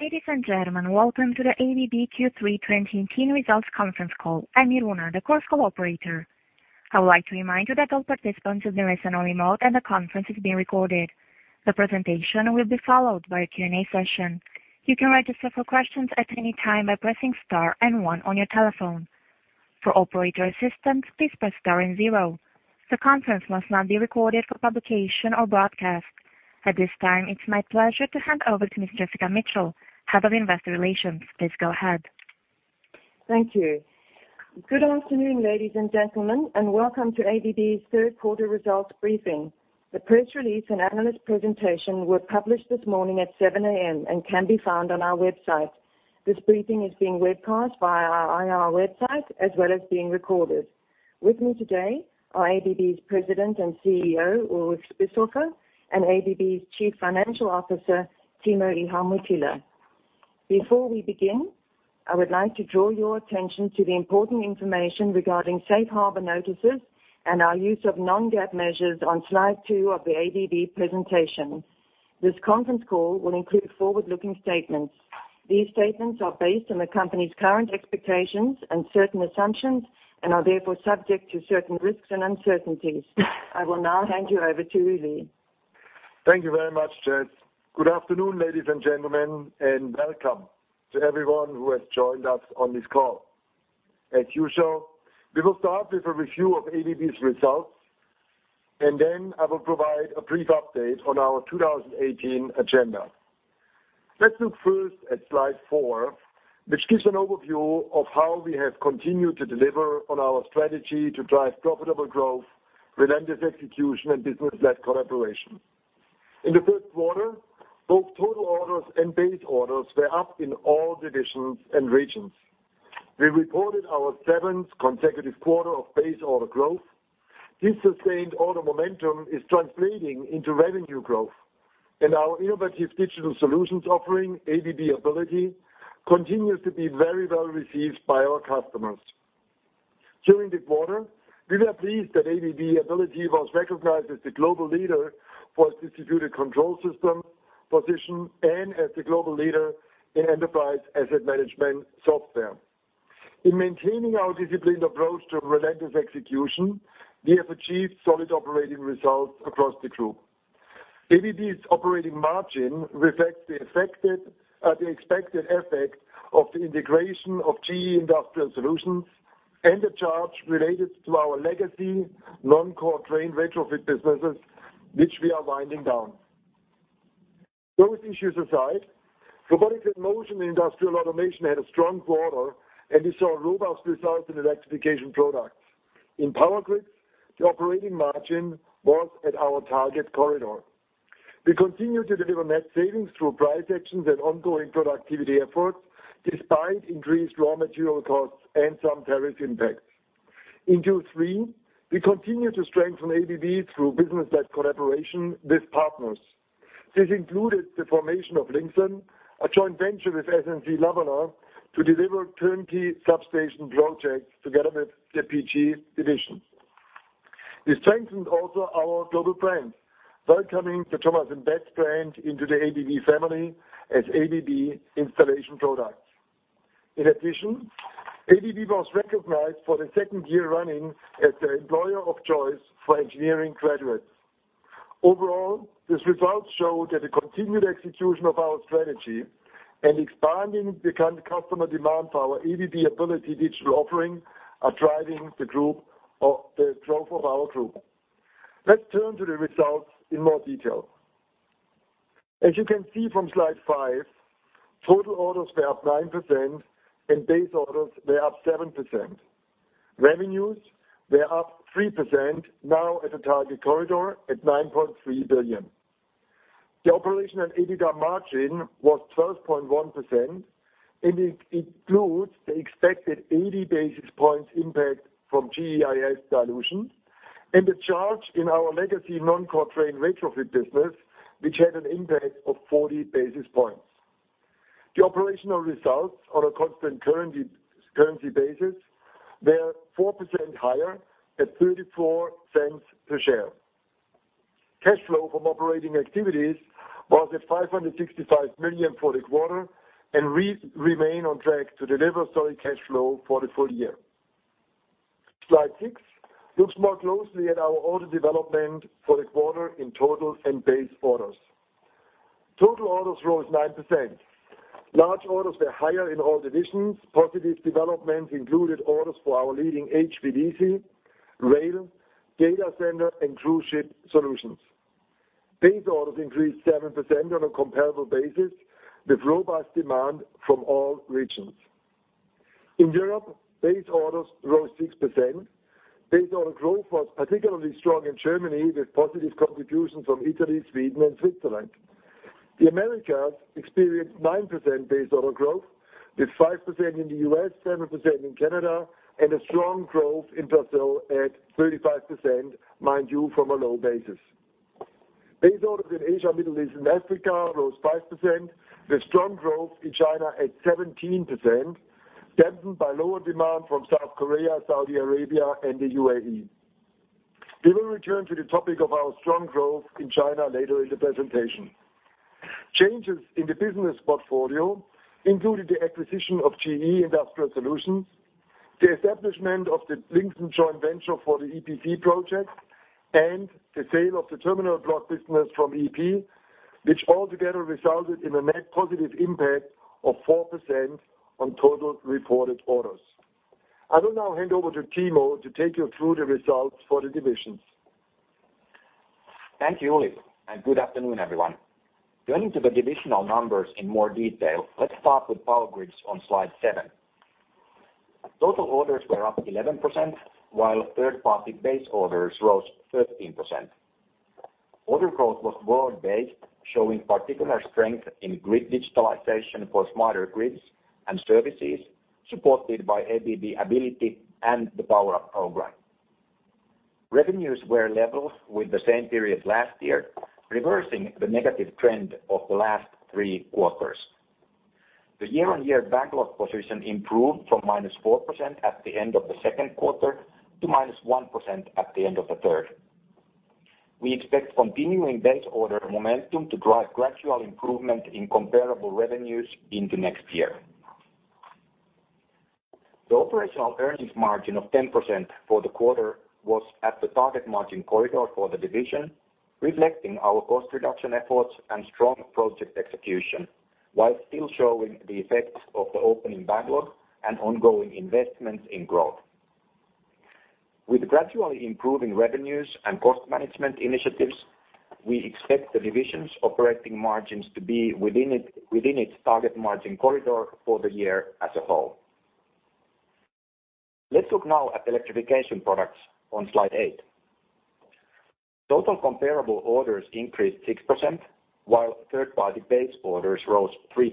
Ladies and gentlemen, welcome to the ABB Q3 2018 Results Conference Call. I'm Irina, the Chorus Call operator. I would like to remind you that all participants are in listen-only mode and the conference is being recorded. The presentation will be followed by a Q&A session. You can register for questions at any time by pressing star and one on your telephone. For operator assistance, please press star and zero. The conference must not be recorded for publication or broadcast. At this time, it's my pleasure to hand over to Miss Jessica Mitchell, Head of Investor Relations. Please go ahead. Thank you. Good afternoon, ladies and gentlemen, and welcome to ABB's third quarter results briefing. The press release and analyst presentation were published this morning at 7:00 A.M. and can be found on our website. This briefing is being webcast via our IR website, as well as being recorded. With me today are ABB's President and CEO, Ulrich Spiesshofer, and ABB's Chief Financial Officer, Timo Ihamuotila. Before we begin, I would like to draw your attention to the important information regarding safe harbor notices and our use of non-GAAP measures on slide two of the ABB presentation. This conference call will include forward-looking statements. These statements are based on the company's current expectations and certain assumptions and are therefore subject to certain risks and uncertainties. I will now hand you over to Ulrich. Thank you very much, Jess. Good afternoon, ladies and gentlemen, and welcome to everyone who has joined us on this call. As usual, we will start with a review of ABB's results. I will provide a brief update on our 2018 agenda. Let's look first at slide four, which gives an overview of how we have continued to deliver on our strategy to drive profitable growth, relentless execution, and business-led collaboration. In the third quarter, both total orders and base orders were up in all divisions and regions. We reported our seventh consecutive quarter of base order growth. This sustained order momentum is translating into revenue growth and our innovative digital solutions offering, ABB Ability, continues to be very well received by our customers. During this quarter, we were pleased that ABB Ability was recognized as the global leader for its distributed control system position and as the global leader in enterprise asset management software. In maintaining our disciplined approach to relentless execution, we have achieved solid operating results across the group. ABB's operating margin reflects the expected effect of the integration of GE Industrial Solutions and the charge related to our legacy non-core train retrofit businesses, which we are winding down. Those issues aside, Robotics and Motion Industrial Automation had a strong quarter, and we saw robust results in Electrification Products. In Power Grids, the operating margin was at our target corridor. We continue to deliver net savings through price actions and ongoing productivity efforts, despite increased raw material costs and some tariff impacts. In Q3, we continued to strengthen ABB through business-led collaboration with partners. This included the formation of Linxon, a joint venture with SNC-Lavalin, to deliver turnkey substation projects together with the PG division. We strengthened also our global brand, welcoming the Thomas & Betts brand into the ABB family as ABB Installation Products. In addition, ABB was recognized for the second year running as the employer of choice for engineering graduates. Overall, these results show that the continued execution of our strategy and expanding the current customer demand for our ABB Ability digital offering are driving the growth of our group. Let's turn to the results in more detail. As you can see from slide five, total orders were up 9% and base orders were up 7%. Revenues were up 3%, now at the target corridor at $9.3 billion. The operational ABB margin was 12.1% and it includes the expected 80 basis points impact from GEIS dilution and the charge in our legacy non-core train retrofit business, which had an impact of 40 basis points. The operational results on a constant currency basis were 4% higher at $0.34 per share. Cash flow from operating activities was at $565 million for the quarter and we remain on track to deliver solid cash flow for the full year. Slide six looks more closely at our order development for the quarter in total and base orders. Total orders rose 9%. Large orders were higher in all divisions. Positive developments included orders for our leading HVDC, rail, data center, and cruise ship solutions. Base orders increased 7% on a comparable basis with robust demand from all regions. In Europe, base orders rose 6%. Base order growth was particularly strong in Germany with positive contributions from Italy, Sweden, and Switzerland. The Americas experienced 9% base order growth with 5% in the U.S., 7% in Canada, and a strong growth in Brazil at 35%, mind you, from a low basis. Base orders in Asia, Middle East, and Africa rose 5% with strong growth in China at 17%, dampened by lower demand from South Korea, Saudi Arabia, and the U.A.E. We will return to the topic of our strong growth in China later in the presentation. Changes in the business portfolio included the acquisition of GE Industrial Solutions, the establishment of the Linxon joint venture for the EPC projects, and the sale of the terminal block business from EP, which altogether resulted in a net positive impact of 4% on total reported orders. I will now hand over to Timo to take you through the results for the divisions. Thank you, Ulrich, and good afternoon, everyone. Turning to the divisional numbers in more detail, let's start with Power Grids on slide seven. Total orders were up 11%, while third-party base orders rose 13%. Order growth was broad-based, showing particular strength in grid digitalization for smarter grids and services, supported by ABB Ability and the Power Up program. Revenues were level with the same period last year, reversing the negative trend of the last three quarters. The year-on-year backlog position improved from -4% at the end of the second quarter to -1% at the end of the third. We expect continuing base order momentum to drive gradual improvement in comparable revenues into next year. The operational earnings margin of 10% for the quarter was at the target margin corridor for the division, reflecting our cost reduction efforts and strong project execution while still showing the effects of the opening backlog and ongoing investments in growth. With gradually improving revenues and cost management initiatives, we expect the division's operating margins to be within its target margin corridor for the year as a whole. Let's look now at Electrification Products on slide eight. Total comparable orders increased 6%, while third-party base orders rose 3%.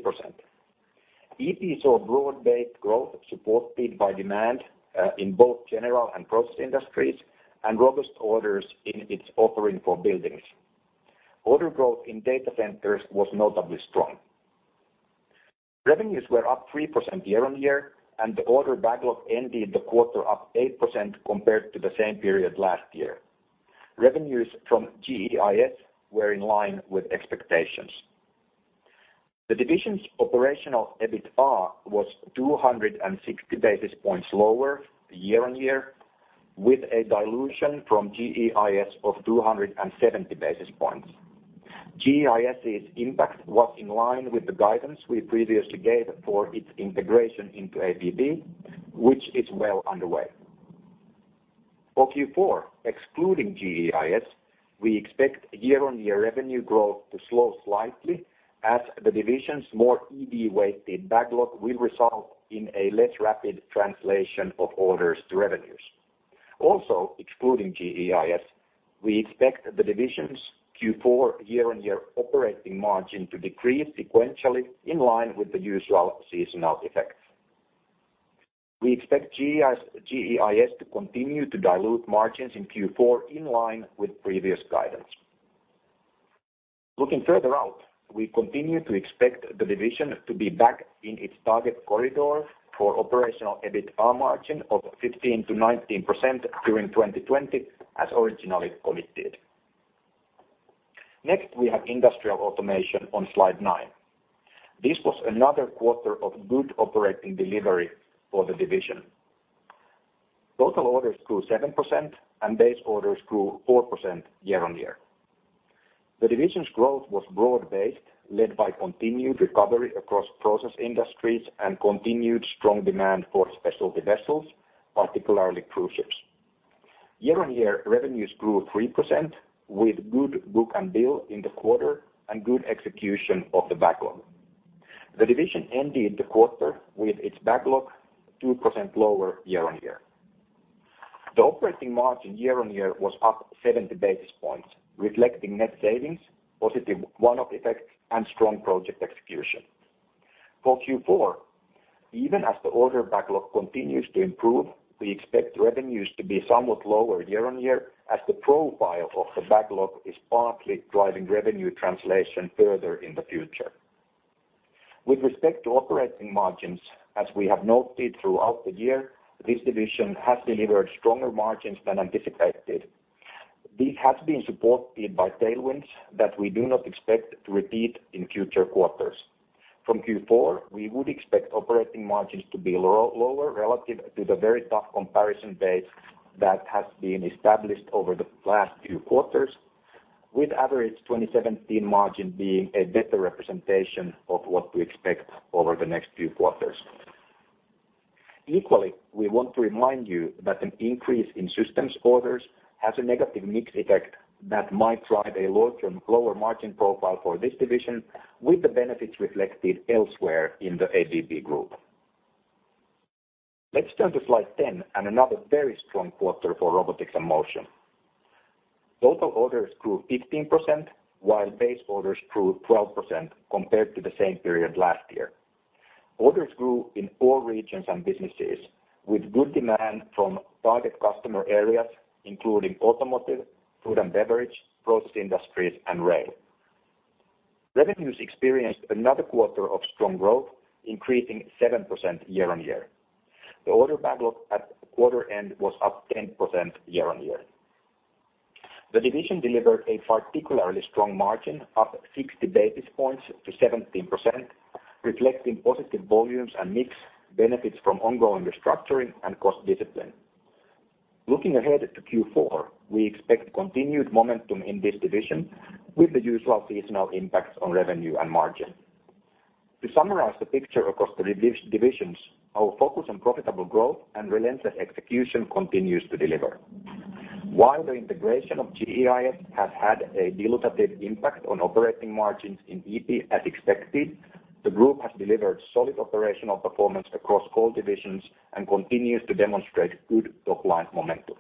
EP saw broad-based growth supported by demand in both general and process industries and robust orders in its offering for buildings. Order growth in data centers was notably strong. Revenues were up 3% year-on-year, and the order backlog ended the quarter up 8% compared to the same period last year. Revenues from GEIS were in line with expectations. The division's operational EBITA was 260 basis points lower year-on-year, with a dilution from GEIS of 270 basis points. GEIS' impact was in line with the guidance we previously gave for its integration into ABB, which is well underway. For Q4, excluding GEIS, we expect year-on-year revenue growth to slow slightly as the division's more EP-weighted backlog will result in a less rapid translation of orders to revenues. Excluding GEIS, we expect the division's Q4 year-on-year operating margin to decrease sequentially in line with the usual seasonal effects. We expect GEIS to continue to dilute margins in Q4 in line with previous guidance. Looking further out, we continue to expect the division to be back in its target corridor for operational EBITA margin of 15%-19% during 2020 as originally committed. Next, we have Industrial Automation on slide nine. This was another quarter of good operating delivery for the division. Total orders grew 7%, and base orders grew 4% year-on-year. The division's growth was broad-based, led by continued recovery across process industries and continued strong demand for specialty vessels, particularly cruise ships. Year-on-year revenues grew 3%, with good book and bill in the quarter and good execution of the backlog. The division ended the quarter with its backlog 2% lower year-on-year. The operating margin year-on-year was up 70 basis points, reflecting net savings, positive one-off effects, and strong project execution. For Q4, even as the order backlog continues to improve, we expect revenues to be somewhat lower year-on-year as the profile of the backlog is partly driving revenue translation further in the future. With respect to operating margins, as we have noted throughout the year, this division has delivered stronger margins than anticipated. This has been supported by tailwinds that we do not expect to repeat in future quarters. From Q4, we would expect operating margins to be lower relative to the very tough comparison base that has been established over the last few quarters, with average 2017 margin being a better representation of what we expect over the next few quarters. Equally, we want to remind you that an increase in systems orders has a negative mix effect that might drive a lower margin profile for this division with the benefits reflected elsewhere in the ABB Group. Let's turn to slide 10 and another very strong quarter for Robotics and Motion. Total orders grew 15%, while base orders grew 12% compared to the same period last year. Orders grew in all regions and businesses, with good demand from target customer areas including automotive, food and beverage, process industries, and rail. Revenues experienced another quarter of strong growth, increasing 7% year-on-year. The order backlog at quarter end was up 10% year-on-year. The division delivered a particularly strong margin, up 60 basis points to 17%, reflecting positive volumes and mix benefits from ongoing restructuring and cost discipline. Looking ahead to Q4, we expect continued momentum in this division with the usual seasonal impacts on revenue and margin. To summarize the picture across the divisions, our focus on profitable growth and relentless execution continues to deliver. While the integration of GEIS has had a dilutive impact on operating margins in EP as expected, the group has delivered solid operational performance across all divisions and continues to demonstrate good top-line momentum.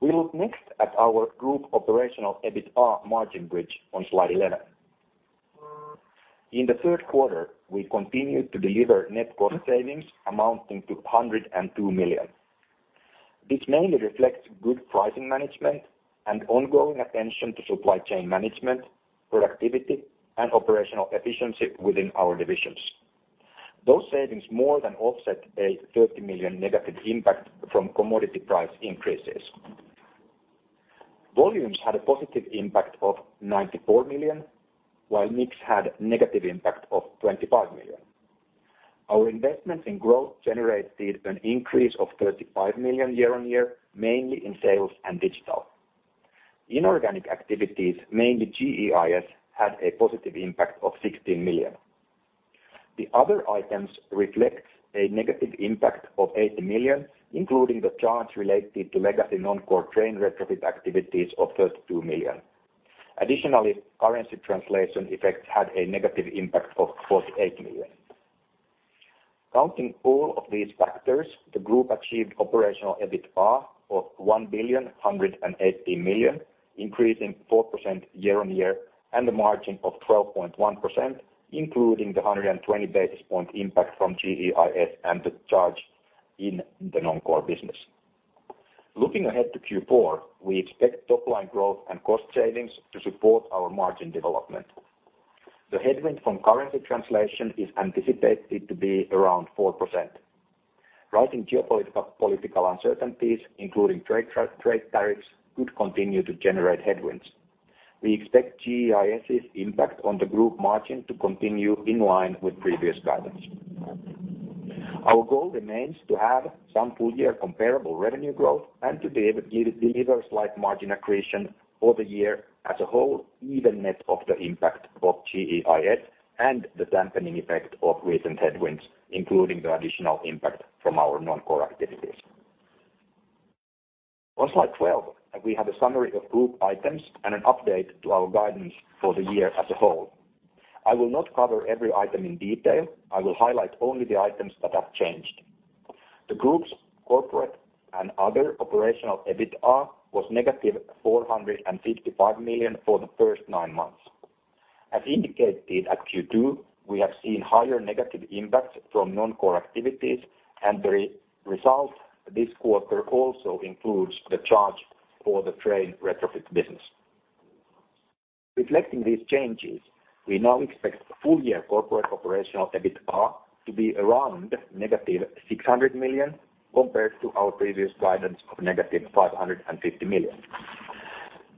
We look next at our group Operational EBITA margin bridge on Slide 11. In the third quarter, we continued to deliver net cost savings amounting to $102 million. This mainly reflects good pricing management and ongoing attention to supply chain management, productivity, and operational efficiency within our divisions. Those savings more than offset a $30 million negative impact from commodity price increases. Volumes had a positive impact of $94 million, while mix had a negative impact of $25 million. Our investments in growth generated an increase of $35 million year-on-year, mainly in sales and digital. Inorganic activities, mainly GEIS, had a positive impact of $16 million. The other items reflect a negative impact of $80 million, including the charge related to legacy non-core train retrofit activities of $32 million. Additionally, currency translation effects had a negative impact of $48 million. Counting all of these factors, the group achieved Operational EBITA of $1,180 million, increasing 4% year-on-year, and a margin of 12.1%, including the 120 basis point impact from GEIS and the charge in the non-core business. Looking ahead to Q4, we expect top-line growth and cost savings to support our margin development. The headwind from currency translation is anticipated to be around 4%. Rising geopolitical uncertainties, including trade tariffs, could continue to generate headwinds. We expect GEIS' impact on the group margin to continue in line with previous guidance. Our goal remains to have some full-year comparable revenue growth and to deliver slight margin accretion for the year as a whole, even net of the impact of GEIS and the dampening effect of recent headwinds, including the additional impact from our non-core activities. On Slide 12, we have a summary of group items and an update to our guidance for the year as a whole. I will not cover every item in detail. I will highlight only the items that have changed. The group's corporate and other Operational EBITA was negative $455 million for the first nine months. As indicated at Q2, we have seen higher negative impacts from non-core activities, and the result this quarter also includes the charge for the train retrofit business. Reflecting these changes, we now expect full-year corporate Operational EBITA to be around negative $600 million, compared to our previous guidance of negative $550 million.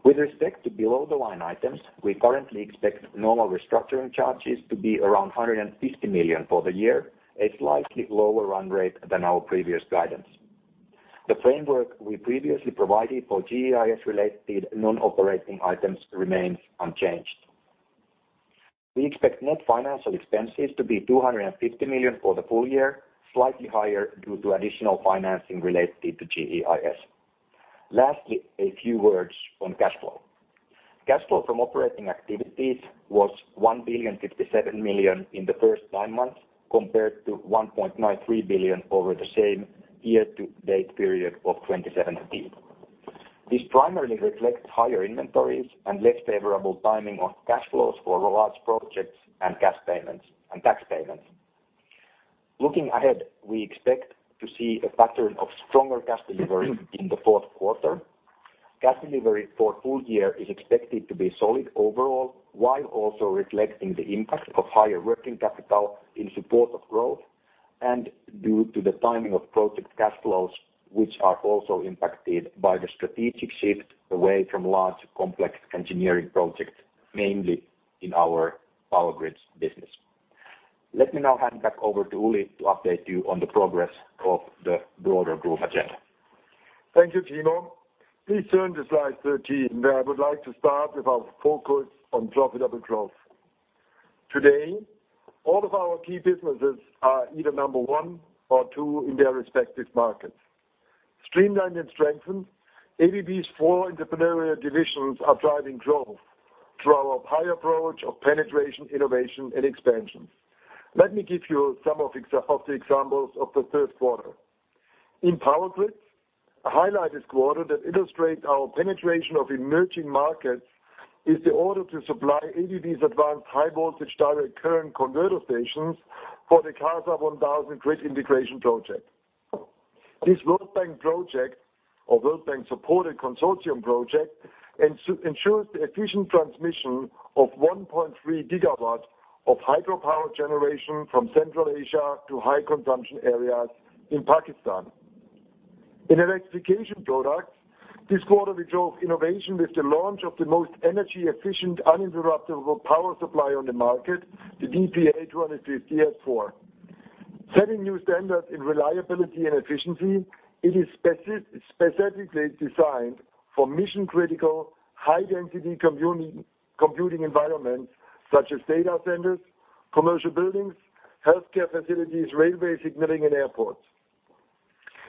With respect to below-the-line items, we currently expect normal restructuring charges to be around $150 million for the year, a slightly lower run rate than our previous guidance. The framework we previously provided for GEIS-related non-operating items remains unchanged. We expect net financial expenses to be $250 million for the full year, slightly higher due to additional financing related to GEIS. Lastly, a few words on cash flow. Cash flow from operating activities was $1,057 million in the first nine months, compared to $1.93 billion over the same year-to-date period of 2017. This primarily reflects higher inventories and less favorable timing of cash flows for large projects and cash payments and tax payments. Looking ahead, we expect to see a pattern of stronger cash delivery in the fourth quarter. Cash delivery for full year is expected to be solid overall, while also reflecting the impact of higher working capital in support of growth and due to the timing of project cash flows, which are also impacted by the strategic shift away from large, complex engineering projects, mainly in our Power Grids business. Let me now hand back over to Ulrich to update you on the progress of the broader group agenda. Thank you, Timo. Please turn to Slide 13, where I would like to start with our focus on profitable growth. Today, all of our key businesses are either number one or two in their respective markets. Streamlined and strengthened, ABB's four entrepreneurial divisions are driving growth through our high approach of penetration, innovation, and expansion. Let me give you some of the examples of the third quarter. In Power Grids, a highlight this quarter that illustrates our penetration of emerging markets is the order to supply ABB's advanced high-voltage direct current converter stations for the CASA-1000 grid integration project. This World Bank project or World Bank-supported consortium project ensures the efficient transmission of 1.3 GW of hydropower generation from Central Asia to high consumption areas in Pakistan. In Electrification Products, this quarter, we drove innovation with the launch of the most energy-efficient, uninterruptible power supply on the market, the DPA 250 S4. Setting new standards in reliability and efficiency, it is specifically designed for mission-critical, high-density computing environments such as data centers, commercial buildings, healthcare facilities, railway signaling, and airports.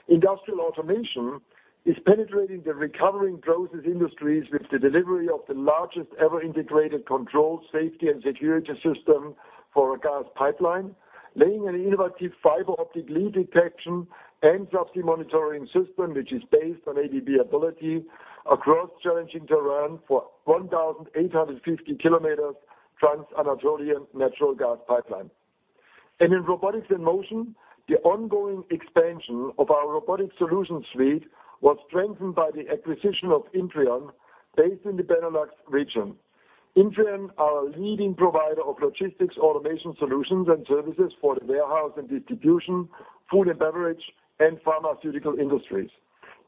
Industrial Automation is penetrating the recovering process industries with the delivery of the largest ever integrated control, safety and security system for a gas pipeline, laying an innovative fiber-optic leak detection and custody monitoring system, which is based on ABB Ability, across challenging terrain for 1,850 kilometers Trans-Anatolian natural gas pipeline. In Robotics and Motion, the ongoing expansion of our robotic solution suite was strengthened by the acquisition of Intrion, based in the Benelux region. Intrion are a leading provider of logistics automation solutions and services for the warehouse and distribution, food and beverage, and pharmaceutical industries.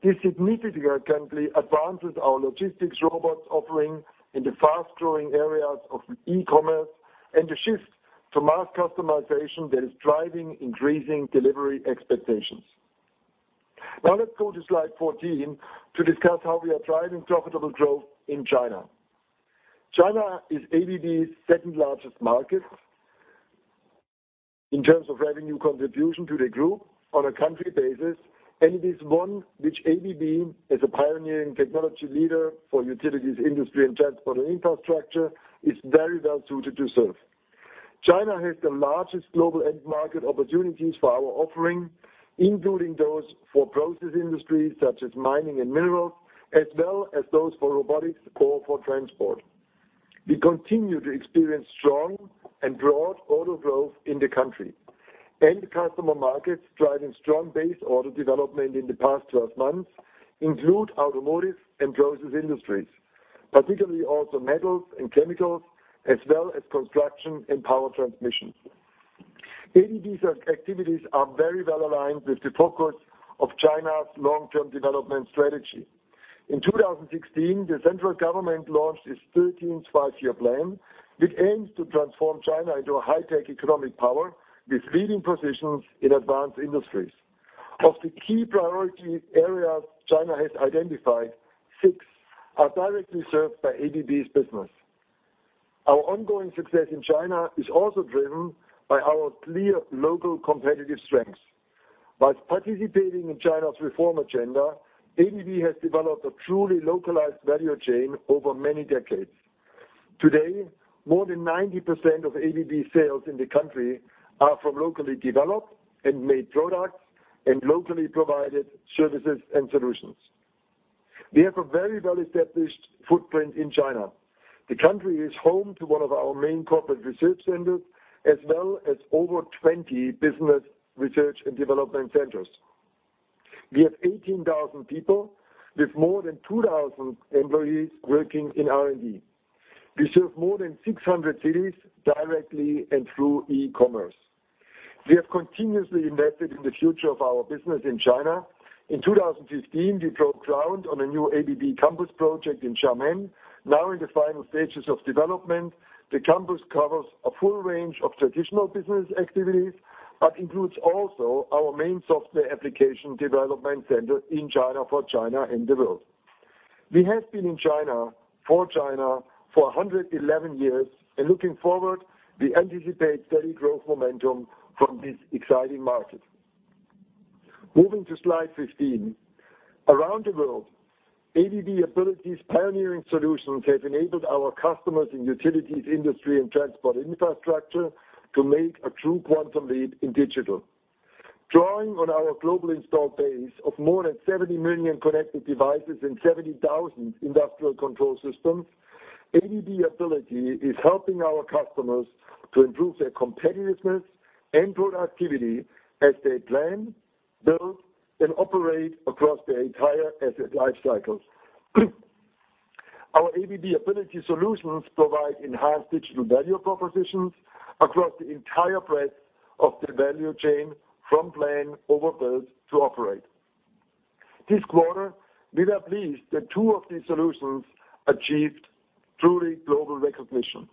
This significantly advances our logistics robots offering in the fast-growing areas of e-commerce and the shift to mass customization that is driving increasing delivery expectations. Let's go to slide 14 to discuss how we are driving profitable growth in China. China is ABB's second-largest market in terms of revenue contribution to the group on a country basis, and it is one which ABB, as a pioneering technology leader for utilities, industry, and transport, and infrastructure, is very well suited to serve. China has the largest global end market opportunities for our offering, including those for process industries such as mining and minerals, as well as those for robotics or for transport. We continue to experience strong and broad order growth in the country. End customer markets driving strong base order development in the past 12 months include automotive and process industries, particularly also metals and chemicals, as well as construction and power transmission. ABB's activities are very well-aligned with the focus of China's long-term development strategy. In 2016, the central government launched its 13th Five-Year Plan, which aims to transform China into a high-tech economic power with leading positions in advanced industries. Of the key priority areas China has identified, six are directly served by ABB's business. Our ongoing success in China is also driven by our clear local competitive strengths. By participating in China's reform agenda, ABB has developed a truly localized value chain over many decades. Today, more than 90% of ABB sales in the country are from locally developed and made products and locally provided services and solutions. We have a very well-established footprint in China. The country is home to one of our main corporate research centers, as well as over 20 business research and development centers. We have 18,000 people with more than 2,000 employees working in R&D. We serve more than 600 cities directly and through e-commerce. We have continuously invested in the future of our business in China. In 2015, we broke ground on a new ABB campus project in Xiamen. In the final stages of development, the campus covers a full range of traditional business activities but includes also our main software application development center in China for China and the world. We have been in China for China for 111 years. Looking forward, we anticipate steady growth momentum from this exciting market. Moving to slide 15. Around the world, ABB Ability's pioneering solutions have enabled our customers in utilities, industry, and transport infrastructure to make a true quantum leap in digital. Drawing on our global installed base of more than 70 million connected devices and 70,000 industrial control systems, ABB Ability is helping our customers to improve their competitiveness and productivity as they plan, build, and operate across their entire asset life cycles. Our ABB Ability solutions provide enhanced digital value propositions across the entire breadth of the value chain from plan over build to operate. This quarter, we are pleased that two of these solutions achieved truly global recognition.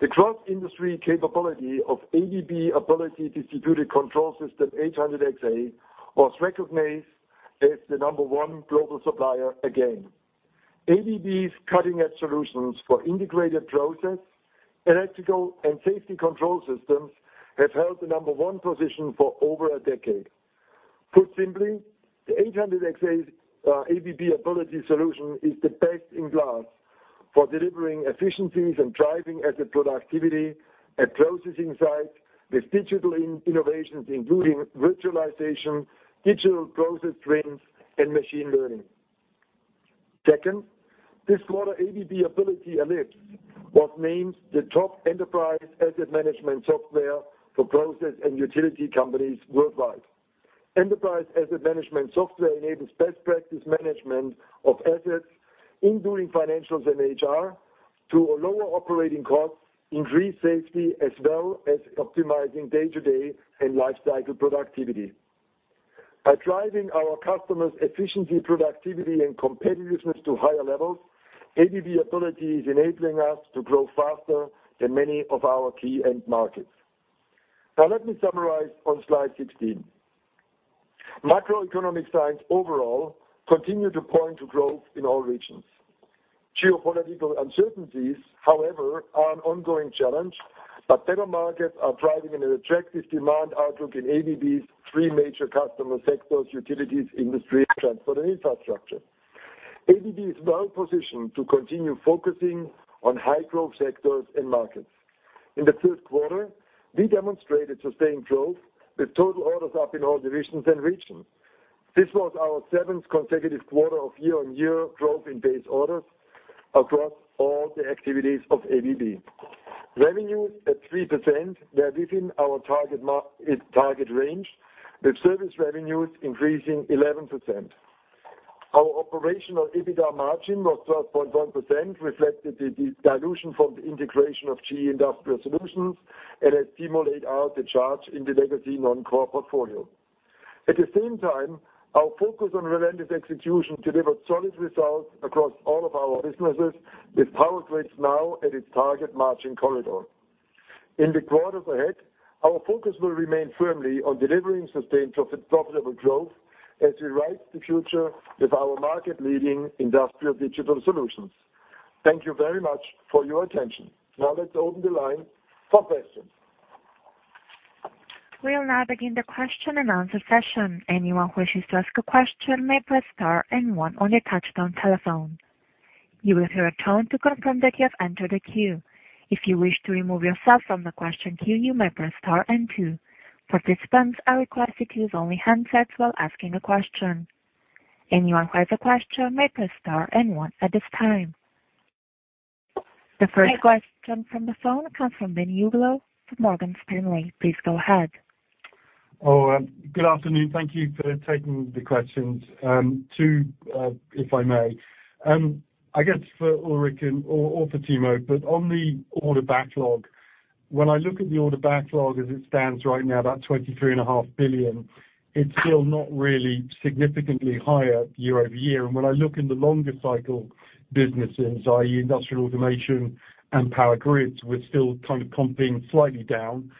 The cross-industry capability of ABB Ability Distributed Control System 800xA was recognized as the number one global supplier again. ABB's cutting-edge solutions for integrated process, electrical, and safety control systems have held the number one position for over a decade. Put simply, the 800xA ABB Ability solution is the best in class for delivering efficiencies and driving asset productivity at processing sites with digital innovations, including virtualization, digital process twins, and machine learning. Second, this quarter, ABB Ability Analytics was named the top enterprise asset management software for process and utility companies worldwide. Enterprise asset management software enables best practice management of assets, including financials and HR, to lower operating costs, increase safety, as well as optimizing day-to-day and life cycle productivity. By driving our customers' efficiency, productivity, and competitiveness to higher levels, ABB Ability is enabling us to grow faster than many of our key end markets. Let me summarize on slide 16. Macroeconomic signs overall continue to point to growth in all regions. Geopolitical uncertainties, however, are an ongoing challenge, but better markets are driving an attractive demand outlook in ABB's three major customer sectors, utilities, industry, and transport and infrastructure. ABB is well positioned to continue focusing on high-growth sectors and markets. In the third quarter, we demonstrated sustained growth with total orders up in all divisions and regions. This was our seventh consecutive quarter of year-over-year growth in base orders across all the activities of ABB. Revenues at 3% were within our target range, with service revenues increasing 11%. Our Operational EBITA margin was 12.1%, reflecting the dilution from the integration of GE Industrial Solutions and as we laid out the charge in the legacy non-core portfolio. At the same time, our focus on relentless execution delivered solid results across all of our businesses, with Power Grids now at its target margin corridor. In the quarters ahead, our focus will remain firmly on delivering sustained profitable growth as we write the future with our market-leading industrial digital solutions. Thank you very much for your attention. Let's open the line for questions. We'll now begin the question-and-answer session. Anyone who wishes to ask a question may press star and one on your touch-tone telephone. You will hear a tone to confirm that you have entered the queue. If you wish to remove yourself from the question queue, you may press star and two. Participants are requested to use only handsets while asking a question. Anyone who has a question may press star and one at this time. The first question from the phone comes from Ben Uglow from Morgan Stanley. Please go ahead. Good afternoon. Thank you for taking the questions. Two, if I may. I guess for Ulrich or for Timo, on the order backlog, when I look at the order backlog as it stands right now, that $23.5 billion, it's still not really significantly higher year-over-year. When I look in the longer cycle businesses, i.e., Industrial Automation and Power Grids, we're still kind of comping slightly down.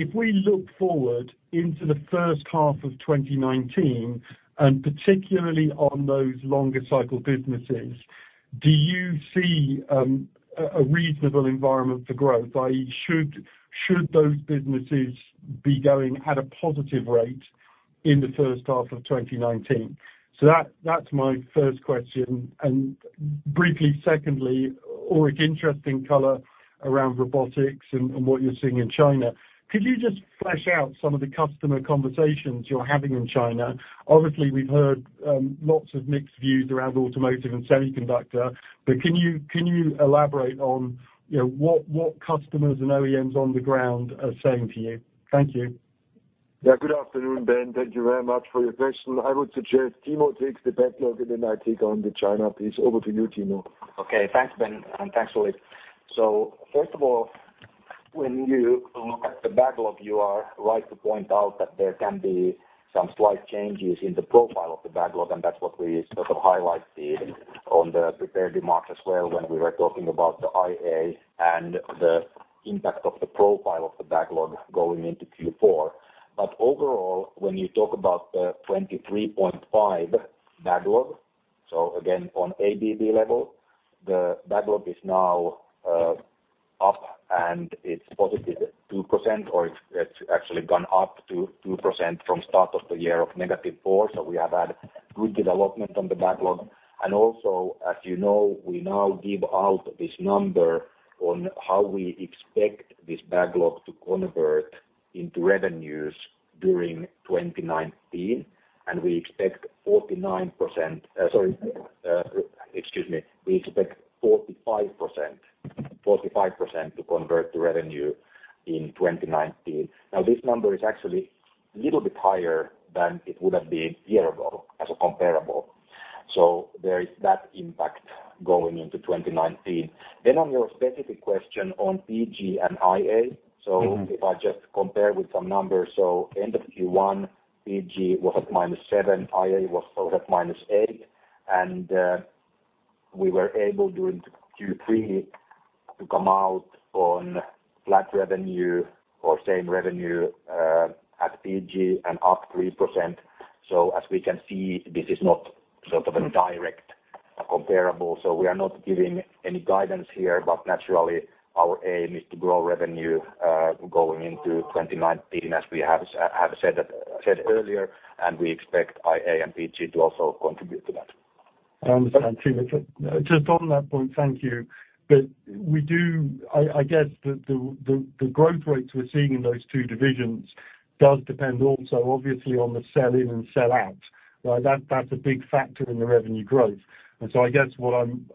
If we look forward into the first half of 2019, and particularly on those longer cycle businesses, do you see a reasonable environment for growth, i.e., should those businesses be going at a positive rate in the first half of 2019? That's my first question. Briefly, secondly, Ulrich, interesting color around robotics and what you're seeing in China. Could you just flesh out some of the customer conversations you're having in China? Obviously, we've heard lots of mixed views around automotive and semiconductor, but can you elaborate on what customers and OEMs on the ground are saying to you? Thank you. Yeah. Good afternoon, Ben. Thank you very much for your question. I would suggest Timo takes the backlog and then I take on the China piece. Over to you, Timo. Okay. Thanks, Ben, and thanks, Ulrich. First of all, when you look at the backlog, you are right to point out that there can be some slight changes in the profile of the backlog, and that's what we sort of highlighted on the prepared remarks as well when we were talking about the IA and the impact of the profile of the backlog going into Q4. Overall, when you talk about the $23.5 backlog, again, on ABB level, the backlog is now up and it's +2%, or it's actually gone up to 2% from start of the year of -4%. We have had good development on the backlog. Also, as you know, we now give out this number on how we expect this backlog to convert into revenues during 2019, and we expect 49%. Sorry. Excuse me. We expect 45% to convert to revenue in 2019. This number is actually a little bit higher than it would have been a year ago as a comparable. There is that impact going into 2019. On your specific question on PG and IA, if I just compare with some numbers, end of Q1, PG was at -7%, IA was sort of at -8%, and we were able during Q3 to come out on flat revenue or same revenue at PG and +3%. As we can see, this is not sort of a direct comparable. We are not giving any guidance here, but naturally our aim is to grow revenue going into 2019 as we have said earlier, and we expect IA and PG to also contribute to that. I understand, Timo. Just on that point, thank you. I guess the growth rates we're seeing in those two divisions does depend also, obviously, on the sell in and sell out. That's a big factor in the revenue growth. I guess what I'm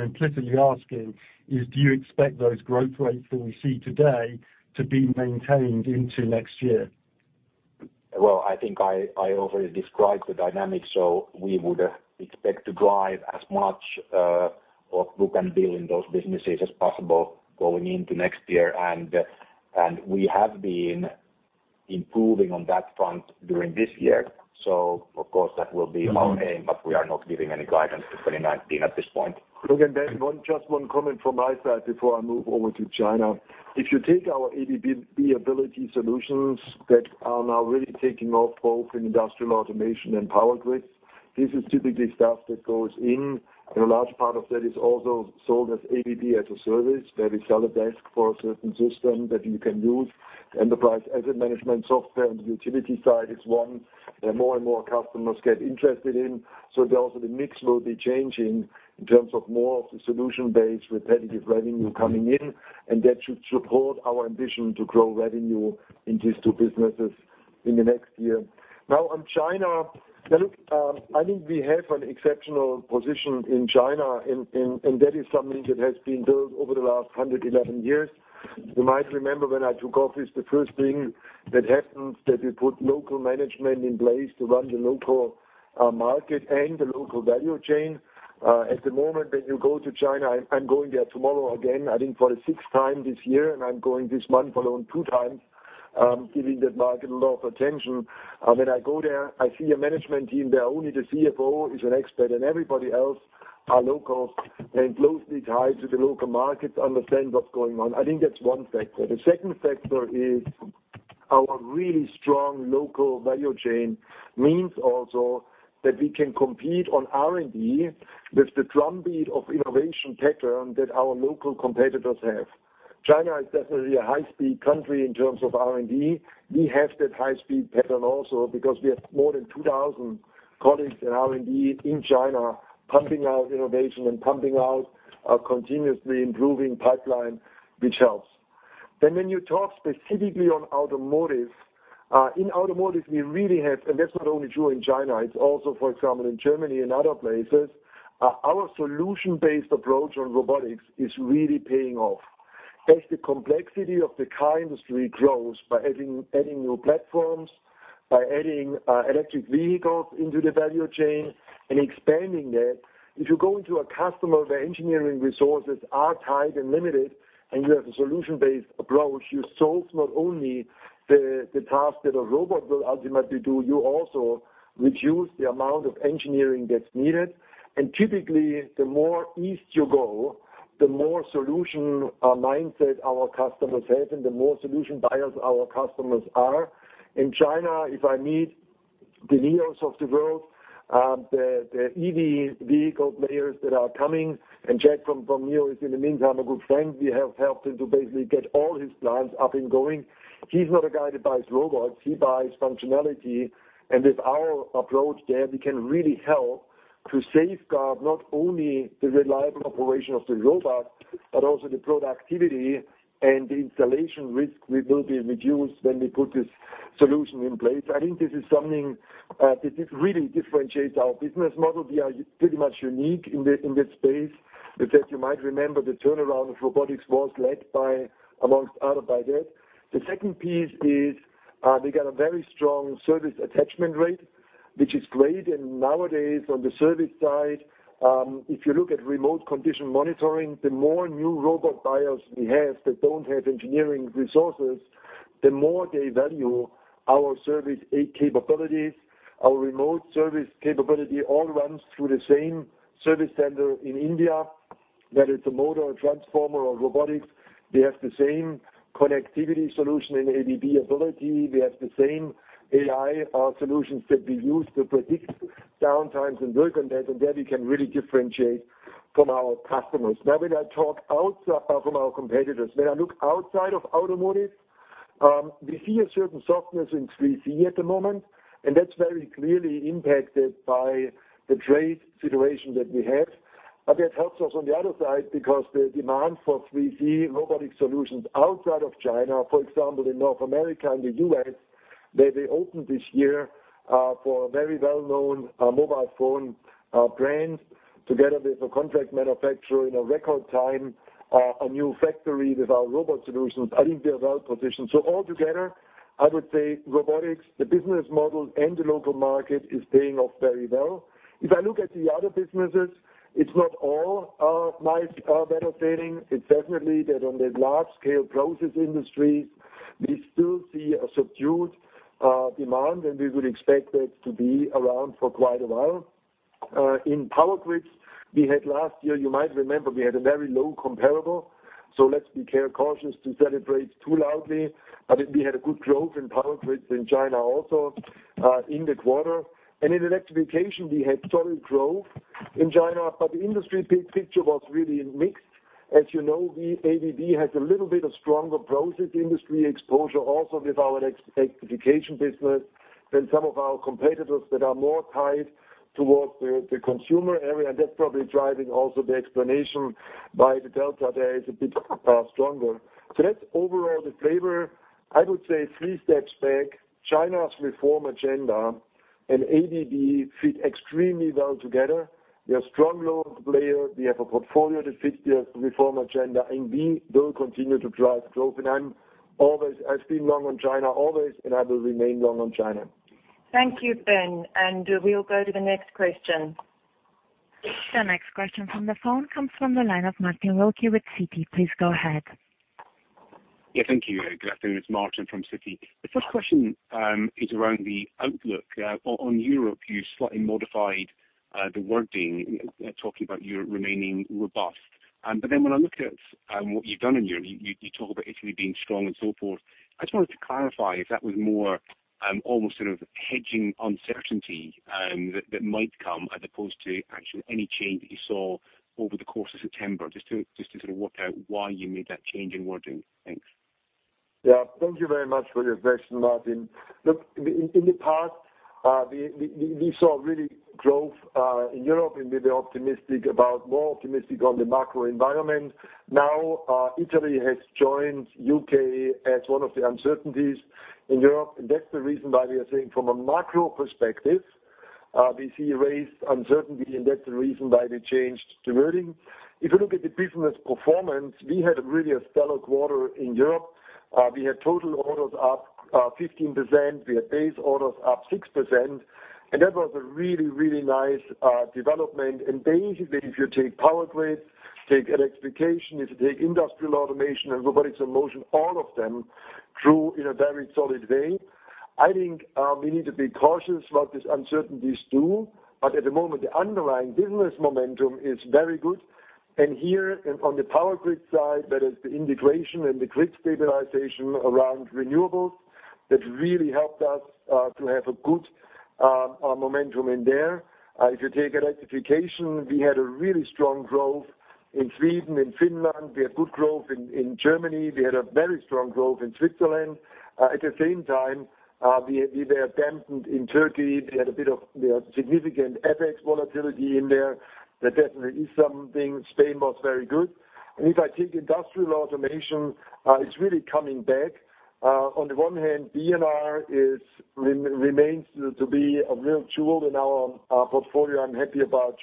implicitly asking is, do you expect those growth rates that we see today to be maintained into next year? Well, I think I already described the dynamics. We would expect to drive as much of book and bill in those businesses as possible going into next year. We have been improving on that front during this year. Of course, that will be our aim, but we are not giving any guidance for 2019 at this point. Look, just one comment from my side before I move over to China. If you take our ABB Ability solutions that are now really taking off both in Industrial Automation and Power Grids, this is typically stuff that goes in, and a large part of that is also sold as ABB as a service, where we sell a desk for a certain system that you can use. The enterprise asset management software on the utility side is one that more and more customers get interested in. There also the mix will be changing in terms of more of the solution-based repetitive revenue coming in, and that should support our ambition to grow revenue in these two businesses in the next year. Now on China. Look, I think we have an exceptional position in China, and that is something that has been built over the last 111 years. You might remember when I took office, the first thing that happened, that we put local management in place to run the local market and the local value chain. At the moment that you go to China, I'm going there tomorrow again, I think for the sixth time this year, and I'm going this month alone two times, giving that market a lot of attention. When I go there, I see a management team there. Only the CFO is an expat, and everybody else are local and closely tied to the local market to understand what's going on. I think that's one factor. The second factor is our really strong local value chain means also that we can compete on R&D with the drumbeat of innovation pattern that our local competitors have. China is definitely a high-speed country in terms of R&D. We have that high-speed pattern also because we have more than 2,000 colleagues in R&D in China pumping out innovation and pumping out a continuously improving pipeline, which helps. When you talk specifically on automotive. In automotive, we really have, and that's not only true in China, it's also, for example, in Germany and other places. Our solution-based approach on robotics is really paying off. As the complexity of the car industry grows by adding new platforms, by adding electric vehicles into the value chain and expanding that. If you go into a customer, the engineering resources are tied and limited, and you have a solution-based approach. You solve not only the task that a robot will ultimately do, you also reduce the amount of engineering that's needed. Typically, the more east you go, the more solution mindset our customers have and the more solution buyers our customers are. In China, if I meet the Nios of the world, the EV vehicle players that are coming, Jack from Nio is in the meantime a good friend. We have helped him to basically get all his plants up and going. He's not a guy that buys robots. He buys functionality. With our approach there, we can really help to safeguard not only the reliable operation of the robot, but also the productivity and the installation risk will be reduced when we put this solution in place. I think this is something that just really differentiates our business model. We are pretty much unique in this space. With that, you might remember the turnaround of robotics was led by, amongst other, by that. The second piece is, we got a very strong service attachment rate, which is great. Nowadays on the service side, if you look at remote condition monitoring, the more new robot buyers we have that don't have engineering resources, the more they value our service capabilities. Our remote service capability all runs through the same service center in India, whether it's a motor or transformer or robotics. We have the same connectivity solution in ABB Ability. We have the same AI solutions that we use to predict downtimes and work on that, and there we can really differentiate from our competitors. When I look outside of automotive, we see a certain softness in 3C at the moment, and that's very clearly impacted by the trade situation that we have. That helps us on the other side because the demand for 3C robotic solutions outside of China, for example, in North America and the U.S., where we opened this year, for a very well-known mobile phone brand together with a contract manufacturer in a record time, a new factory with our robot solutions. I think we are well positioned. All together, I would say robotics, the business model and the local market is paying off very well. If I look at the other businesses, it's not all nice and well sailing. It's definitely that on the large-scale process industry, we still see a subdued demand, and we would expect that to be around for quite a while. In Power Grids, we had last year, you might remember, we had a very low comparable, so let's be cautious to celebrate too loudly. We had a good growth in Power Grids in China also, in the quarter. In Electrification, we had solid growth in China, but the industry picture was really mixed. As you know, ABB has a little bit of stronger process industry exposure also with our Electrification business than some of our competitors that are more tied towards the consumer area. That's probably driving also the explanation why the delta there is a bit stronger. That's overall the flavor. I would say three steps back, China's reform agenda and ABB fit extremely well together. We are a strong local player. We have a portfolio that fits the reform agenda, and we will continue to drive growth. I've been long on China always, and I will remain long on China. Thank you, Ben. We'll go to the next question. The next question from the phone comes from the line of Martin Wilkie with Citi. Please go ahead. Yeah, thank you. Good afternoon. It's Martin from Citi. The first question is around the outlook. On Europe, you slightly modified the wording, talking about Europe remaining robust. When I look at what you've done in Europe, you talk about Italy being strong and so forth. I just wanted to clarify if that was more almost hedging uncertainty that might come as opposed to actually any change that you saw over the course of September, just to sort of work out why you made that change in wording. Thanks. Yeah, thank you very much for your question, Martin. Look, in the past, we saw really growth in Europe, and we were more optimistic on the macro environment. Now, Italy has joined U.K. as one of the uncertainties in Europe, that's the reason why we are saying from a macro perspective, we see raised uncertainty, that's the reason why we changed the wording. If you look at the business performance, we had really a stellar quarter in Europe. We had total orders up 15%, we had base orders up 6%, and that was a really nice development. Basically, if you take Power Grids, take Electrification, if you take Industrial Automation and Robotics & Motion, all of them grew in a very solid way. I think we need to be cautious about these uncertainties, too. At the moment, the underlying business momentum is very good. Here on the Power Grids side, that is the integration and the grid stabilization around renewables that really helped us to have a good momentum there. If you take Electrification, we had a really strong growth in Sweden and Finland. We had good growth in Germany. We had a very strong growth in Switzerland. At the same time, we were dampened in Turkey. We had a bit of significant FX volatility in there. That definitely is something. Spain was very good. If I take Industrial Automation, it's really coming back. On the one hand, B&R remains to be a real jewel in our portfolio. I'm happy about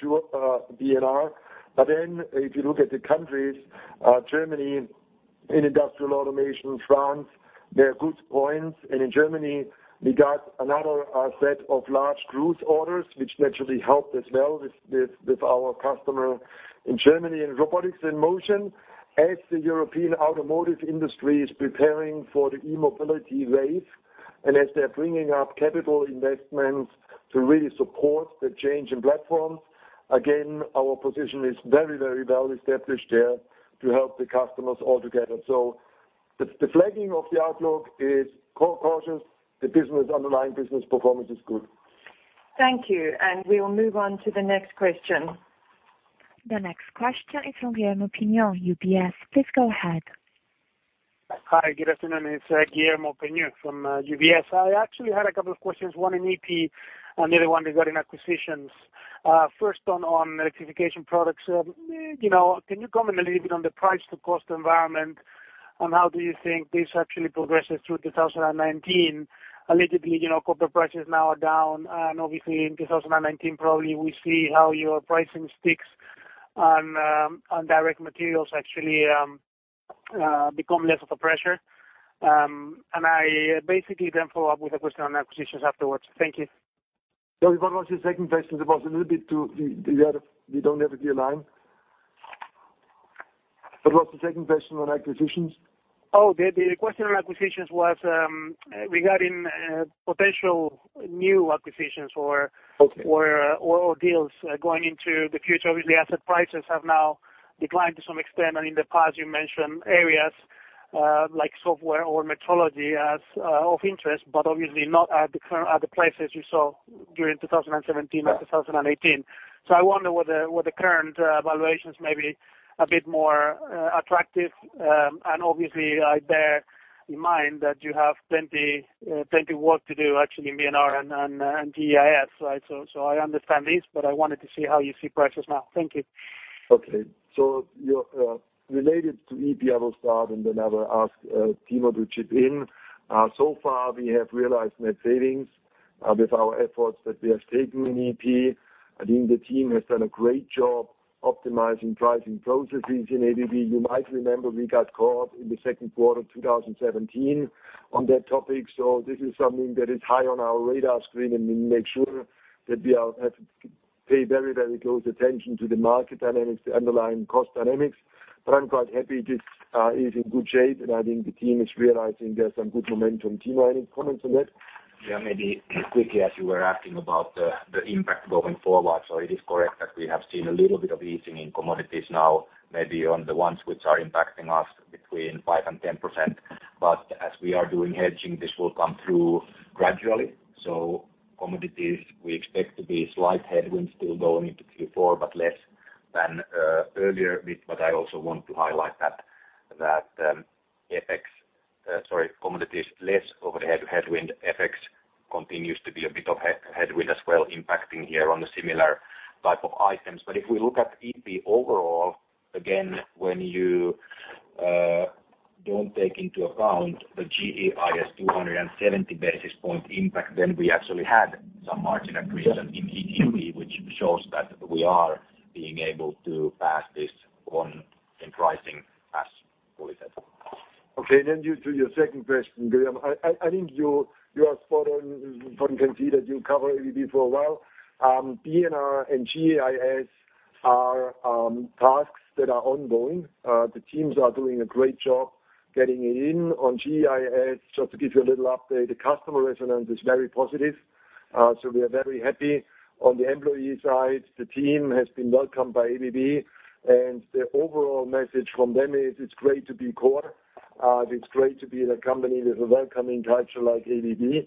B&R. If you look at the countries, Germany in Industrial Automation, France, there are good points. In Germany, we got another set of large cruise orders, which naturally helped as well with our customer in Germany. In Robotics & Motion, as the European automotive industry is preparing for the e-mobility wave, and as they're bringing up capital investments to really support the change in platforms, again, our position is very well established there to help the customers altogether. The flagging of the outlook is cautious. The underlying business performance is good. Thank you. We will move on to the next question. The next question is from Guillermo Pena, UBS. Please go ahead. Hi, good afternoon. It's Guillermo Pena from UBS. I actually had a couple of questions, one in EP and the other one regarding acquisitions. First on Electrification Products. Can you comment a little bit on the price to cost environment, and how do you think this actually progresses through 2019? Allegedly, copper prices now are down, and obviously in 2019, probably we see how your pricing sticks on direct materials actually become less of a pressure. I basically then follow up with a question on acquisitions afterwards. Thank you. Sorry, what was your second question? We don't have it here online. What was the second question on acquisitions? Oh, the question on acquisitions was regarding potential new acquisitions. Okay Deals going into the future. Obviously, asset prices have now declined to some extent, and in the past, you mentioned areas like software or metrology as of interest, but obviously not at the prices you saw during 2017 and 2018. I wonder were the current valuations may be a bit more attractive? Obviously, I bear in mind that you have plenty work to do actually in B&R and GEIS. I understand this, but I wanted to see how you see prices now. Thank you. Okay. Related to EP, I will start, and then I will ask Timo to chip in. So far, we have realized net savings with our efforts that we have taken in EP. I think the team has done a great job optimizing pricing processes in ABB. You might remember we got caught in the second quarter of 2017 on that topic. This is something that is high on our radar screen, and we make sure that we pay very close attention to the market dynamics, the underlying cost dynamics. I'm quite happy this is in good shape, and I think the team is realizing there's some good momentum. Timo, any comments on that? Maybe quickly as you were asking about the impact going forward. It is correct that we have seen a little bit of easing in commodities now, maybe on the ones which are impacting us between 5% and 10%. As we are doing hedging, this will come through gradually. Commodities, we expect to be slight headwinds still going into Q4, but less than earlier bit. I also want to highlight that FX. Sorry, commodities less over the headwind. FX continues to be a bit of headwind as well, impacting here on the similar type of items. If we look at EP overall, again, when you don't take into account the GEIS 270 basis point impact, then we actually had some margin accretion in EP, which shows that we are being able to pass this on in pricing, as Uli said. To your second question, Guillermo. I think you are spot on. You can see that you cover ABB for a while. B&R and GEIS are tasks that are ongoing. The teams are doing a great job getting in on GEIS. Just to give you a little update, the customer resonance is very positive, we are very happy. On the employee side, the team has been welcomed by ABB, and the overall message from them is it's great to be core. It's great to be in a company with a welcoming culture like ABB.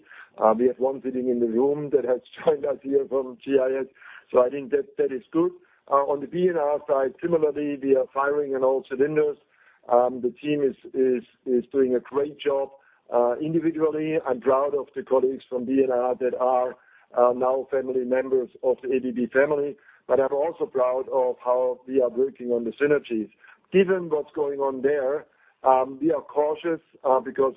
We have one sitting in the room that has joined us here from GEIS, I think that is good. On the B&R side, similarly, we are firing on all cylinders. The team is doing a great job individually. I'm proud of the colleagues from B&R that are now family members of the ABB family. I'm also proud of how we are working on the synergies. Given what's going on there, we are cautious because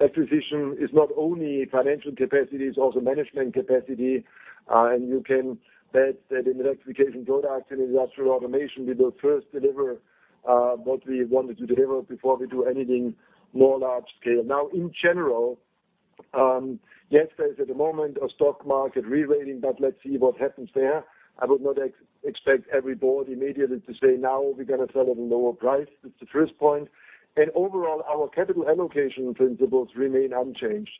acquisition is not only financial capacity, it's also management capacity. You can bet that in the Electrification Products and Industrial Automation, we will first deliver what we wanted to deliver before we do anything more large scale. In general, yes, there is at the moment a stock market re-rating, let's see what happens there. I would not expect every board immediately to say, "Now we're going to sell at a lower price." That's the first point. Overall, our capital allocation principles remain unchanged.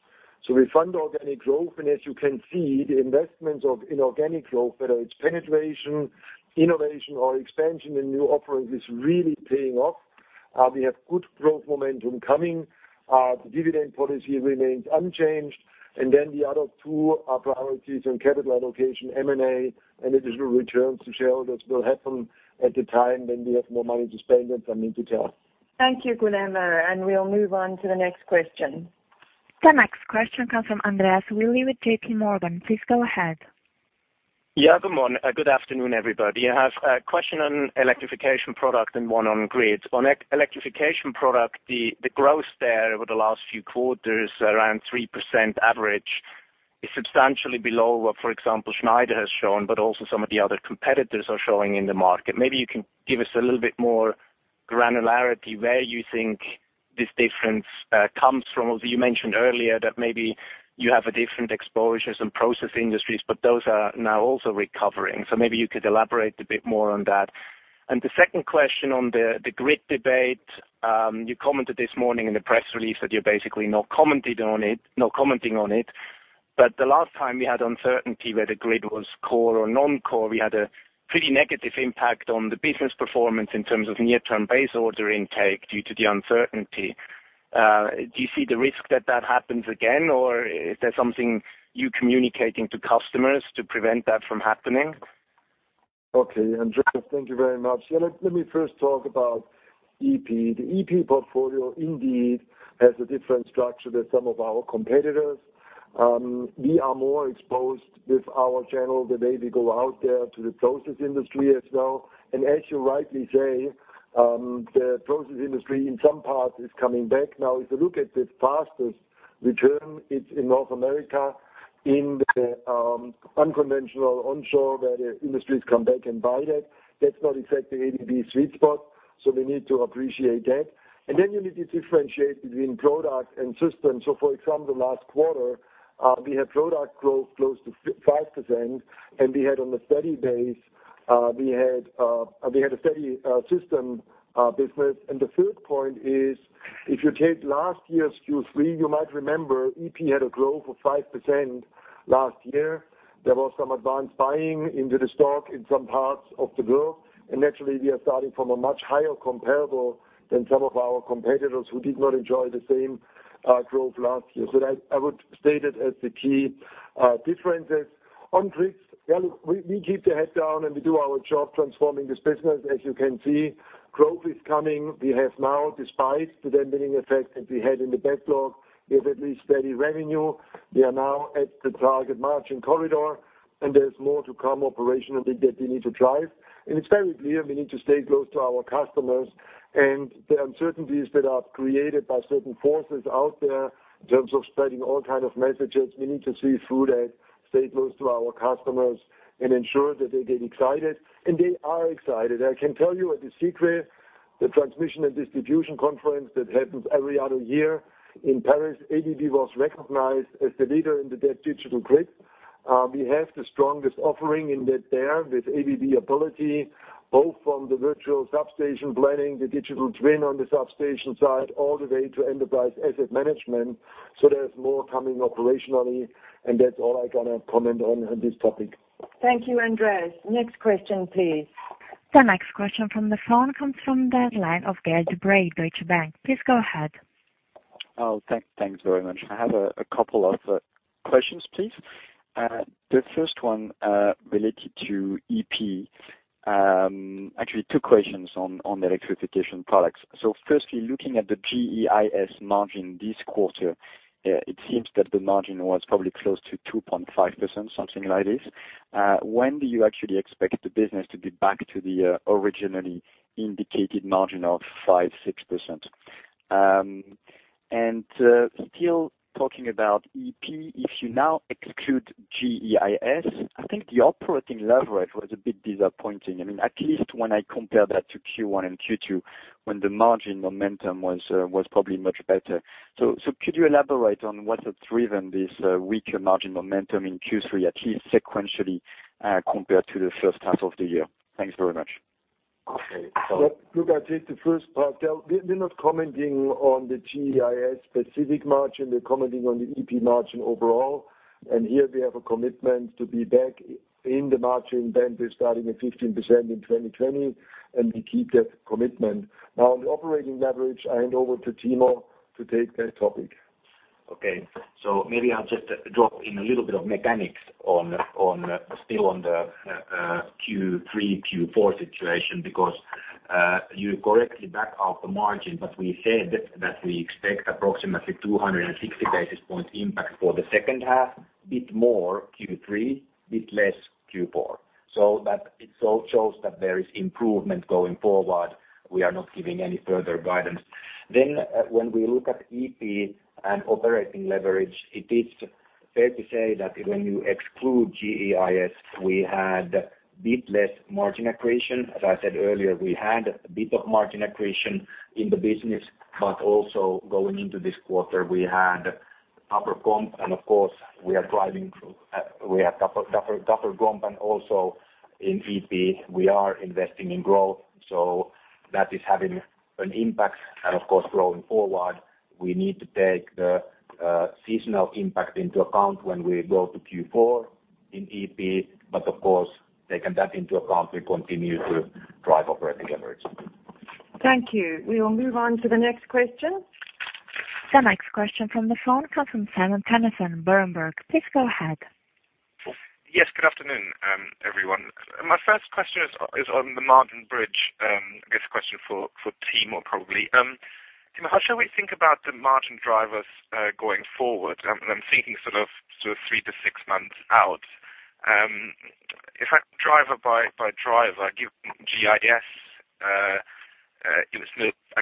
We fund organic growth, and as you can see, the investment of inorganic growth, whether it's penetration, innovation, or expansion in new offerings, is really paying off. We have good growth momentum coming. The dividend policy remains unchanged. The other two are priorities on capital allocation, M&A, and additional returns to shareholders will happen at the time when we have more money to spend than something to tell. Thank you, Guillermo. We'll move on to the next question. The next question comes from Andreas Willi with JPMorgan. Please go ahead. Good morning. Good afternoon, everybody. I have a question on Electrification Products and one on Power Grids. On Electrification Products, the growth there over the last few quarters, around 3% average, is substantially below what, for example, Schneider has shown, but also some of the other competitors are showing in the market. Maybe you can give us a little bit more granularity where you think this difference comes from. Although you mentioned earlier that maybe you have a different exposure and process industries, but those are now also recovering. Maybe you could elaborate a bit more on that. The second question on the Power Grids debate. You commented this morning in the press release that you're basically not commenting on it. The last time we had uncertainty whether Power Grids was core or non-core, we had a pretty negative impact on the business performance in terms of near-term base order intake due to the uncertainty. Do you see the risk that that happens again, or is there something you're communicating to customers to prevent that from happening? Okay, Andreas, thank you very much. Let me first talk about EP. The EP portfolio indeed has a different structure than some of our competitors. We are more exposed with our channel the way we go out there to the process industry as well. As you rightly say, the process industry in some parts is coming back. If you look at the fastest return, it's in North America in the unconventional onshore where the industries come back and buy that. That's not exactly ABB sweet spot. We need to appreciate that. You need to differentiate between product and system. Last quarter, we had product growth close to 5% and we had on a steady base, we had a steady system business. The third point is if you take last year's Q3, you might remember EP had a growth of 5% last year. There was some advanced buying into the stock in some parts of the globe. We are starting from a much higher comparable than some of our competitors who did not enjoy the same growth last year. I would state it as the key differences. On grids, we keep the head down and we do our job transforming this business. As you can see, growth is coming. We have now, despite the diluting effect that we had in the backlog, we have at least steady revenue. We are now at the target margin corridor, and there's more to come operationally that we need to drive. It's very clear we need to stay close to our customers and the uncertainties that are created by certain forces out there in terms of spreading all kind of messages. We need to see through that, stay close to our customers and ensure that they get excited. They are excited. I can tell you at the CIGRE, the transmission and distribution conference that happens every other year in Paris, ABB was recognized as the leader in the digital grid. We have the strongest offering in that there with ABB Ability, both from the virtual substation planning, the digital twin on the substation side, all the way to enterprise asset management. There's more coming operationally, and that's all I got to comment on this topic. Thank you, Andreas. Next question, please. The next question from the phone comes from the line of Gael de-Bray, Deutsche Bank. Please go ahead. Oh, thanks very much. I have a couple of questions, please. The first one related to EP. Actually two questions on the Electrification Products. Firstly, looking at the GEIS margin this quarter, it seems that the margin was probably close to 2.5%, something like this. When do you actually expect the business to be back to the originally indicated margin of 5%-6%? Still talking about EP, if you now exclude GEIS, I think the operating leverage was a bit disappointing. At least when I compare that to Q1 and Q2 when the margin momentum was probably much better. Could you elaborate on what has driven this weaker margin momentum in Q3 at least sequentially, compared to the first half of the year? Thanks very much. Okay. Look, I'll take the first part. We're not commenting on the GEIS specific margin. We're commenting on the EP margin overall, here we have a commitment to be back in the margin band of starting at 15% in 2020, we keep that commitment. Now, on the operating leverage, I hand over to Timo to take that topic. Maybe I'll just drop in a little bit of mechanics on the Q3, Q4 situation because, you correctly back out the margin, but we said that we expect approximately 260 basis points impact for the second half, a bit more Q3, a bit less Q4. It shows that there is improvement going forward. We are not giving any further guidance. When we look at EP and operating leverage, it is fair to say that when you exclude GEIS, we had a bit less margin accretion. As I said earlier, we had a bit of margin accretion in the business, but also going into this quarter, we had tougher comp, and also in EP, we are investing in growth. That is having an impact and, of course, going forward, we need to take the seasonal impact into account when we go to Q4 in EP. Of course, taking that into account, we continue to drive operating leverage. Thank you. We will move on to the next question. The next question from the phone comes from Simon Toennessen, Berenberg. Please go ahead. Yes, good afternoon, everyone. My first question is on the margin bridge. I guess a question for Timo, probably. Timo, how should we think about the margin drivers, going forward? I'm thinking sort of three to six months out. In fact, driver by driver, give GEIS, I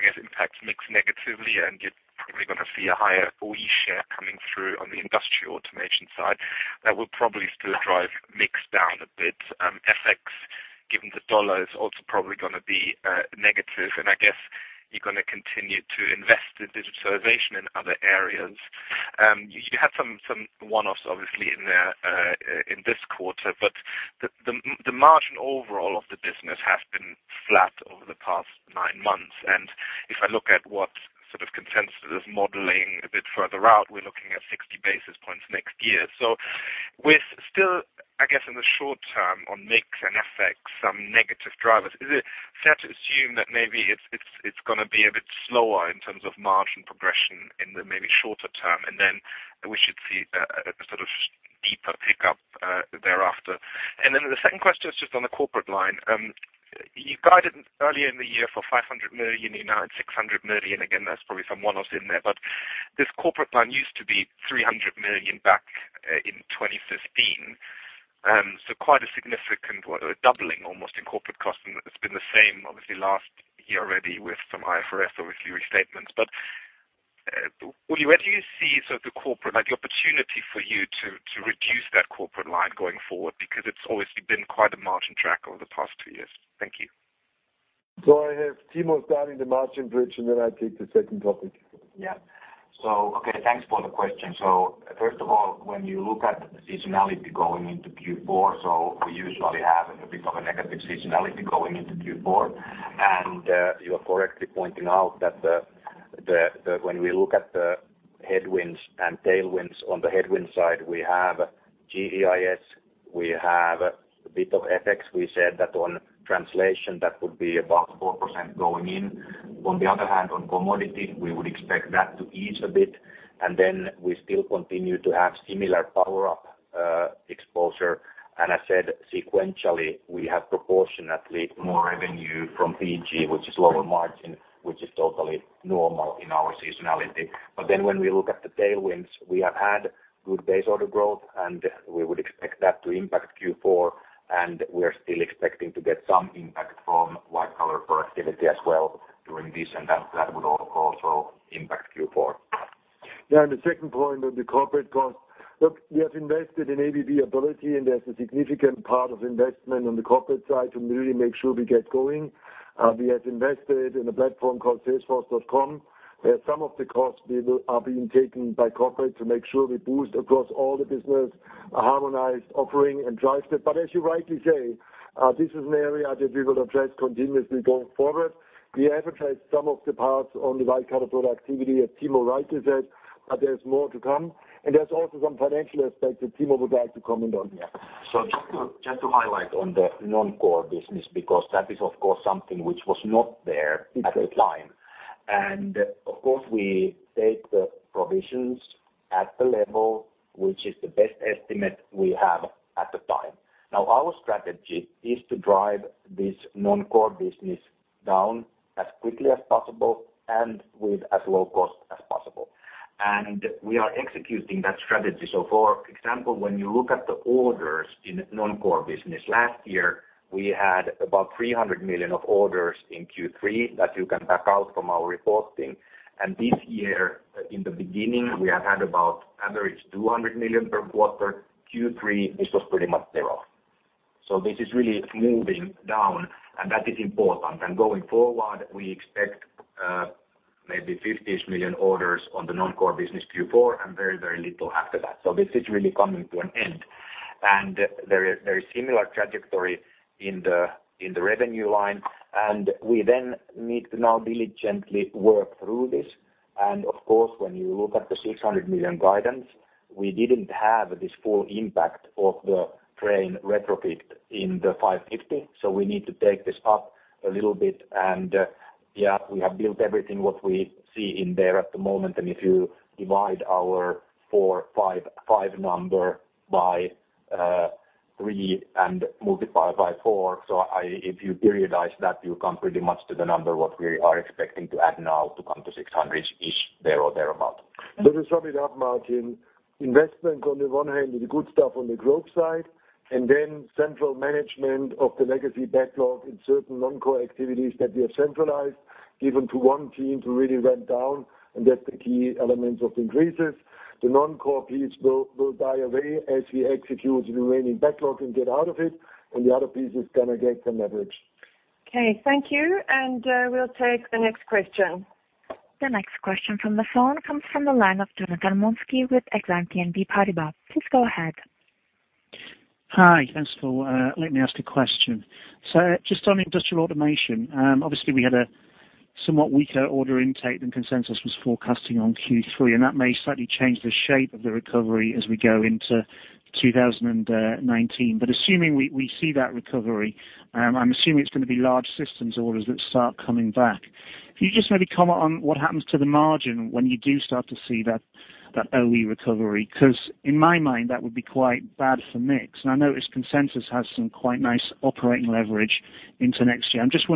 guess impacts mix negatively, and you're probably going to see a higher OE share coming through on the Industrial Automation side. That will probably still drive mix down a bit. FX, given the dollar, is also probably going to be negative. I guess you're going to continue to invest in digitalization in other areas. You had some one-offs obviously in this quarter, but the margin overall of the business has been flat over the past nine months. If I look at what sort of consensus is modeling a bit further out, we're looking at 60 basis points next year. With still, I guess in the short term on mix and FX, some negative drivers, is it fair to assume that maybe it's going to be a bit slower in terms of margin progression in the maybe shorter term, and then we should see a sort of deeper pickup thereafter? The second question is just on the corporate line. You guided earlier in the year for $500 million, you're now at $600 million. Again, there's probably some one-offs in there, but this corporate line used to be $300 million back in 2015. Quite a significant doubling almost in corporate cost, and it's been the same obviously last year already with some IFRS obviously restatements. Where do you see the corporate, like the opportunity for you to reduce that corporate line going forward? Because it's obviously been quite a margin drag over the past two years. Thank you. I have Timo starting the margin bridge, and then I take the second topic. Thanks for the question. First of all, when you look at seasonality going into Q4, we usually have a bit of a negative seasonality going into Q4, and you're correctly pointing out that when we look at the headwinds and tailwinds, on the headwind side, we have GEIS, we have a bit of FX. We said that on translation, that would be about 4% going in. On commodity, we would expect that to ease a bit, and we still continue to have similar Power Up exposure. I said sequentially, we have proportionately more revenue from PG, which is lower margin, which is totally normal in our seasonality. When we look at the tailwinds, we have had good base order growth, and we would expect that to impact Q4, and we're still expecting to get some impact from white-collar productivity as well during this, and that would also impact Q4. The second point on the corporate cost. We have invested in ABB Ability, and there's a significant part of investment on the corporate side to really make sure we get going. We have invested in a platform called Salesforce, where some of the costs are being taken by corporate to make sure we boost across all the business, a harmonized offering, and drive that. As you rightly say, this is an area that we will address continuously going forward. We advertised some of the parts on the white-collar productivity, as Timo rightly said. There's more to come, and there's also some financial aspects that Timo would like to comment on here. Just to highlight on the non-core business, because that is, of course, something which was not there at the time. We take the provisions at the level, which is the best estimate we have at the time. Our strategy is to drive this non-core business down as quickly as possible and with as low cost as possible. We are executing that strategy. For example, when you look at the orders in non-core business, last year, we had about $300 million of orders in Q3 that you can back out from our reporting. This year, in the beginning, we have had about average $200 million per quarter. Q3, this was pretty much 0. This is really moving down, and that is important. Going forward, we expect maybe $50-ish million orders on the non-core business Q4 and very little after that. This is really coming to an end. Very similar trajectory in the revenue line. We then need to now diligently work through this. Of course, when you look at the $600 million guidance, we didn't have this full impact of the train retrofit in the $550. We need to take this up a little bit. Yeah, we have built everything what we see in there at the moment. If you divide our 455 number by 3 and multiply by 4. If you periodize that, you come pretty much to the number what we are expecting to add now to come to $600-ish, there or thereabout. To sum it up, Martin, investment on the one hand is the good stuff on the growth side, then central management of the legacy backlog in certain non-core activities that we have centralized, given to one team to really ramp down, that's the key elements of increases. The non-core piece will die away as we execute the remaining backlog and get out of it, the other piece is going to get some leverage. Okay. Thank you. We'll take the next question. The next question from the phone comes from the line of Jonathan Mounsey with Exane BNP Paribas. Please go ahead. Hi. Thanks for letting me ask a question. Just on Industrial Automation, obviously, we had a somewhat weaker order intake than consensus was forecasting on Q3, and that may slightly change the shape of the recovery as we go into 2019. Assuming we see that recovery, I'm assuming it's going to be large systems orders that start coming back. If you just maybe comment on what happens to the margin when you do start to see that OE recovery, because in my mind, that would be quite bad for mix. I notice consensus has some quite nice operating leverage into next year. I'm just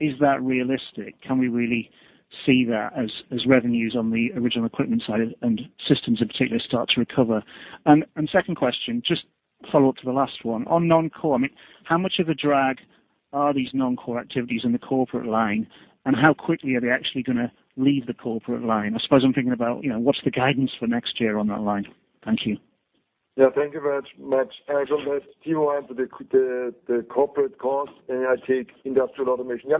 wondering, is that realistic? Can we really see that as revenues on the original equipment side and systems in particular start to recover? Second question, just follow up to the last one. On non-core, how much of a drag are these non-core activities in the corporate line? How quickly are they actually going to leave the corporate line? I suppose I'm thinking about what's the guidance for next year on that line. Thank you. Yeah. Thank you very much, Jonathan. I'll go to the corporate cost. I take Industrial Automation.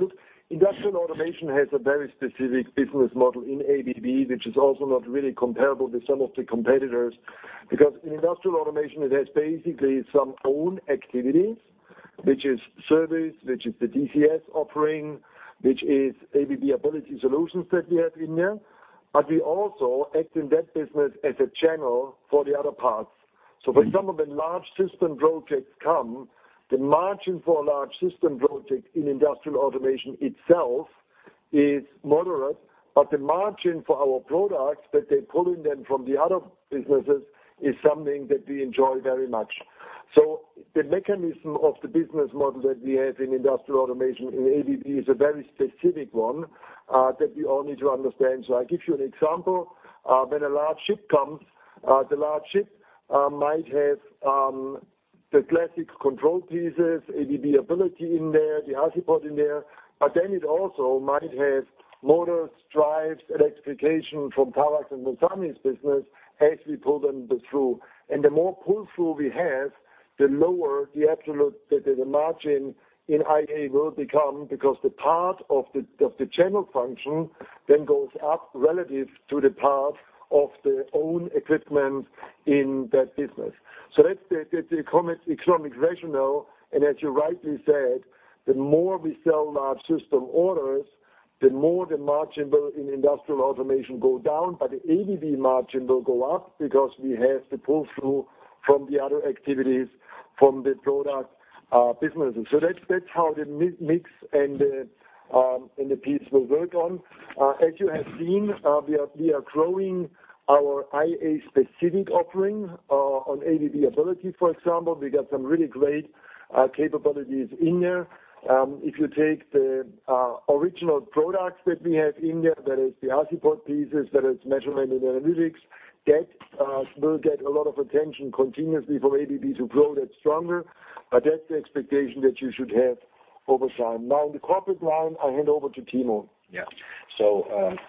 Industrial Automation has a very specific business model in ABB, which is also not really comparable with some of the competitors, because in Industrial Automation, it has basically some own activities, which is service, which is the DCS offering, which is ABB Ability Solutions that we have in there. We also act in that business as a channel for the other parts. When some of the large system projects come, the margin for a large system project in Industrial Automation itself is moderate, but the margin for our products that they pull in then from the other businesses is something that we enjoy very much. The mechanism of the business model that we have in Industrial Automation in ABB is a very specific one that we all need to understand. I give you an example. When a large ship comes, the large ship might have the classic control pieces, ABB Ability in there, the Azipod in there. It also might have motors, drives, electrification from Tarak's and Masami's business as we pull them through. The more pull-through we have, the lower the absolute, the margin in IA will become because the part of the channel function then goes up relative to the path of their own equipment in that business. That's the economic rationale. As you rightly said, the more we sell large system orders, the more the margin will, in Industrial Automation, go down, but the ABB margin will go up because we have the pull-through from the other activities from the product businesses. That's how the mix and the piece will work on. You have seen, we are growing our IA specific offering on ABB Ability, for example. We got some really great capabilities in there. If you take the original products that we have in there, that is the Azipod pieces, that is measurement and analytics, that will get a lot of attention continuously from ABB to grow that stronger. That's the expectation that you should have over time. On the corporate line, I hand over to Timo.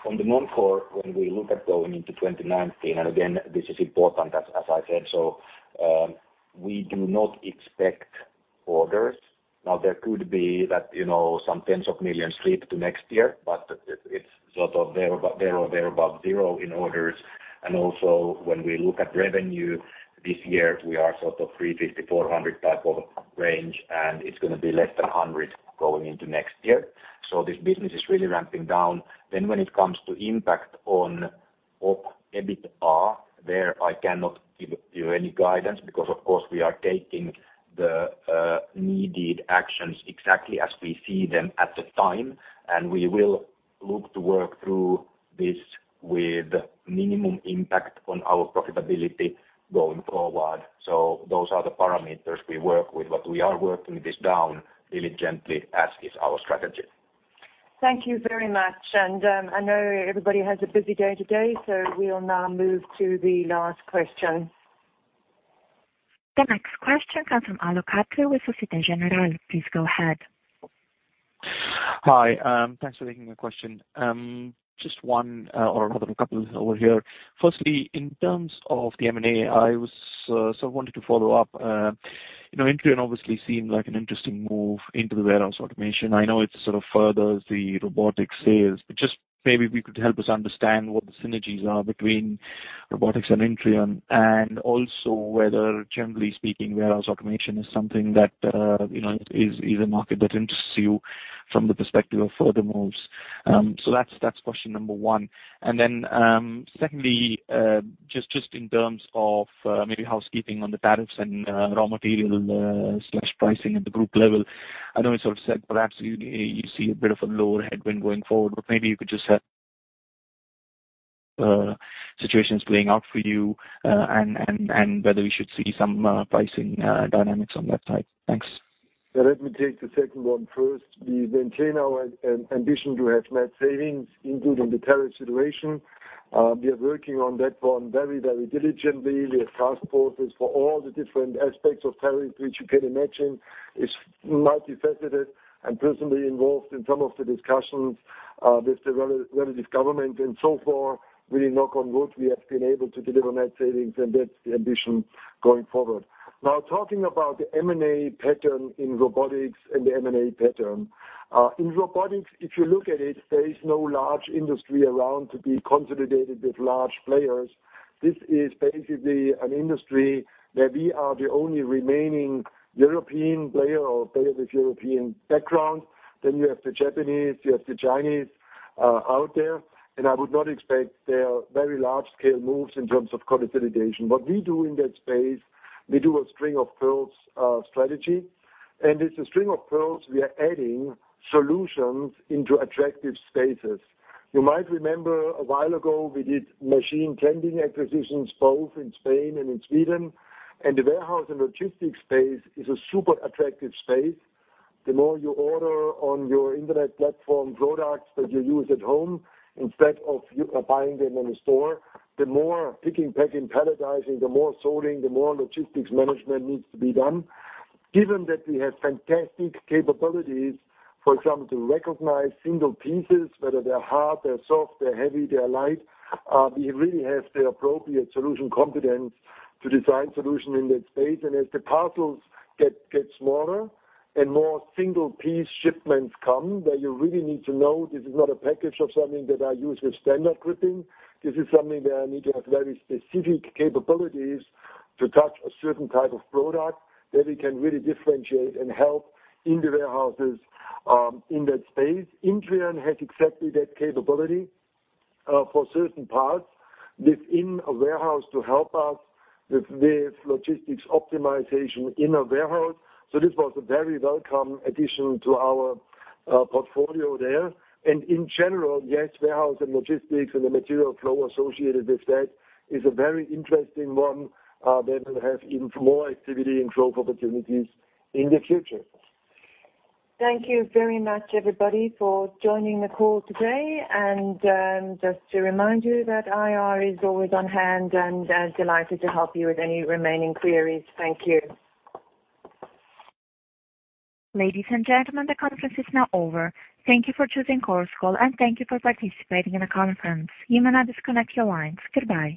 On the non-core, when we look at going into 2019, again, this is important, as I said, we do not expect orders. There could be that some $10 million slip to next year, but it's sort of there or thereabout zero in orders. Also, when we look at revenue this year, we are sort of 350, 400 type of range, and it's going to be less than 100 going into next year. This business is really ramping down. When it comes to impact on Op. EBITA, there I cannot give you any guidance because, of course, we are taking the needed actions exactly as we see them at the time. We will look to work through this with minimum impact on our profitability going forward. Those are the parameters we work with, we are working this down diligently, as is our strategy. Thank you very much. I know everybody has a busy day today, we will now move to the last question. The next question comes from Alok Khatri with Société Générale. Please go ahead. Hi. Thanks for taking my question. Just one or another couple over here. Firstly, in terms of the M&A, I was sort of wanting to follow up. intrion obviously seemed like an interesting move into the warehouse automation. I know it sort of furthers the robotic sales, but just maybe we could help us understand what the synergies are between robotics and intrion and also whether generally speaking, warehouse automation is something that is a market that interests you from the perspective of further moves. That's question number 1. Secondly, just in terms of maybe housekeeping on the tariffs and raw material/pricing at the group level. I know it's sort of said perhaps you see a bit of a lower headwind going forward, but maybe you could just have situations playing out for you and whether we should see some pricing dynamics on that side. Thanks. Let me take the second one first. We maintain our ambition to have net savings, including the tariff situation. We are working on that one very diligently. We have task forces for all the different aspects of tariff, which you can imagine is multifaceted and personally involved in some of the discussions with the relative government and so far really knock on wood we have been able to deliver net savings and that's the ambition going forward. Talking about the M&A pattern in robotics and the M&A pattern. In robotics, if you look at it, there is no large industry around to be consolidated with large players. This is basically an industry where we are the only remaining European player or player with European background. You have the Japanese, you have the Chinese out there, and I would not expect there are very large-scale moves in terms of consolidation. What we do in that space, we do a string-of-pearls strategy, and it's a string of pearls we are adding solutions into attractive spaces. You might remember a while ago, we did machine tending acquisitions both in Spain and in Sweden, and the warehouse and logistics space is a super attractive space. The more you order on your internet platform products that you use at home, instead of buying them in a store, the more pick and pack and palletizing, the more sorting, the more logistics management needs to be done. Given that we have fantastic capabilities, for example, to recognize single pieces, whether they're hard, they're soft, they're heavy, they're light, we really have the appropriate solution competence to design solution in that space. As the parcels get smaller and more single-piece shipments come that you really need to know this is not a package of something that I use with standard gripping. This is something where I need to have very specific capabilities to touch a certain type of product that we can really differentiate and help in the warehouses in that space. intrion has exactly that capability for certain parts within a warehouse to help us with logistics optimization in a warehouse. This was a very welcome addition to our portfolio there. In general, yes, warehouse and logistics and the material flow associated with that is a very interesting one that will have even more activity and growth opportunities in the future. Thank you very much, everybody, for joining the call today. Just to remind you that IR is always on hand and delighted to help you with any remaining queries. Thank you. Ladies and gentlemen, the conference is now over. Thank you for choosing Chorus Call, and thank you for participating in the conference. You may now disconnect your lines. Goodbye.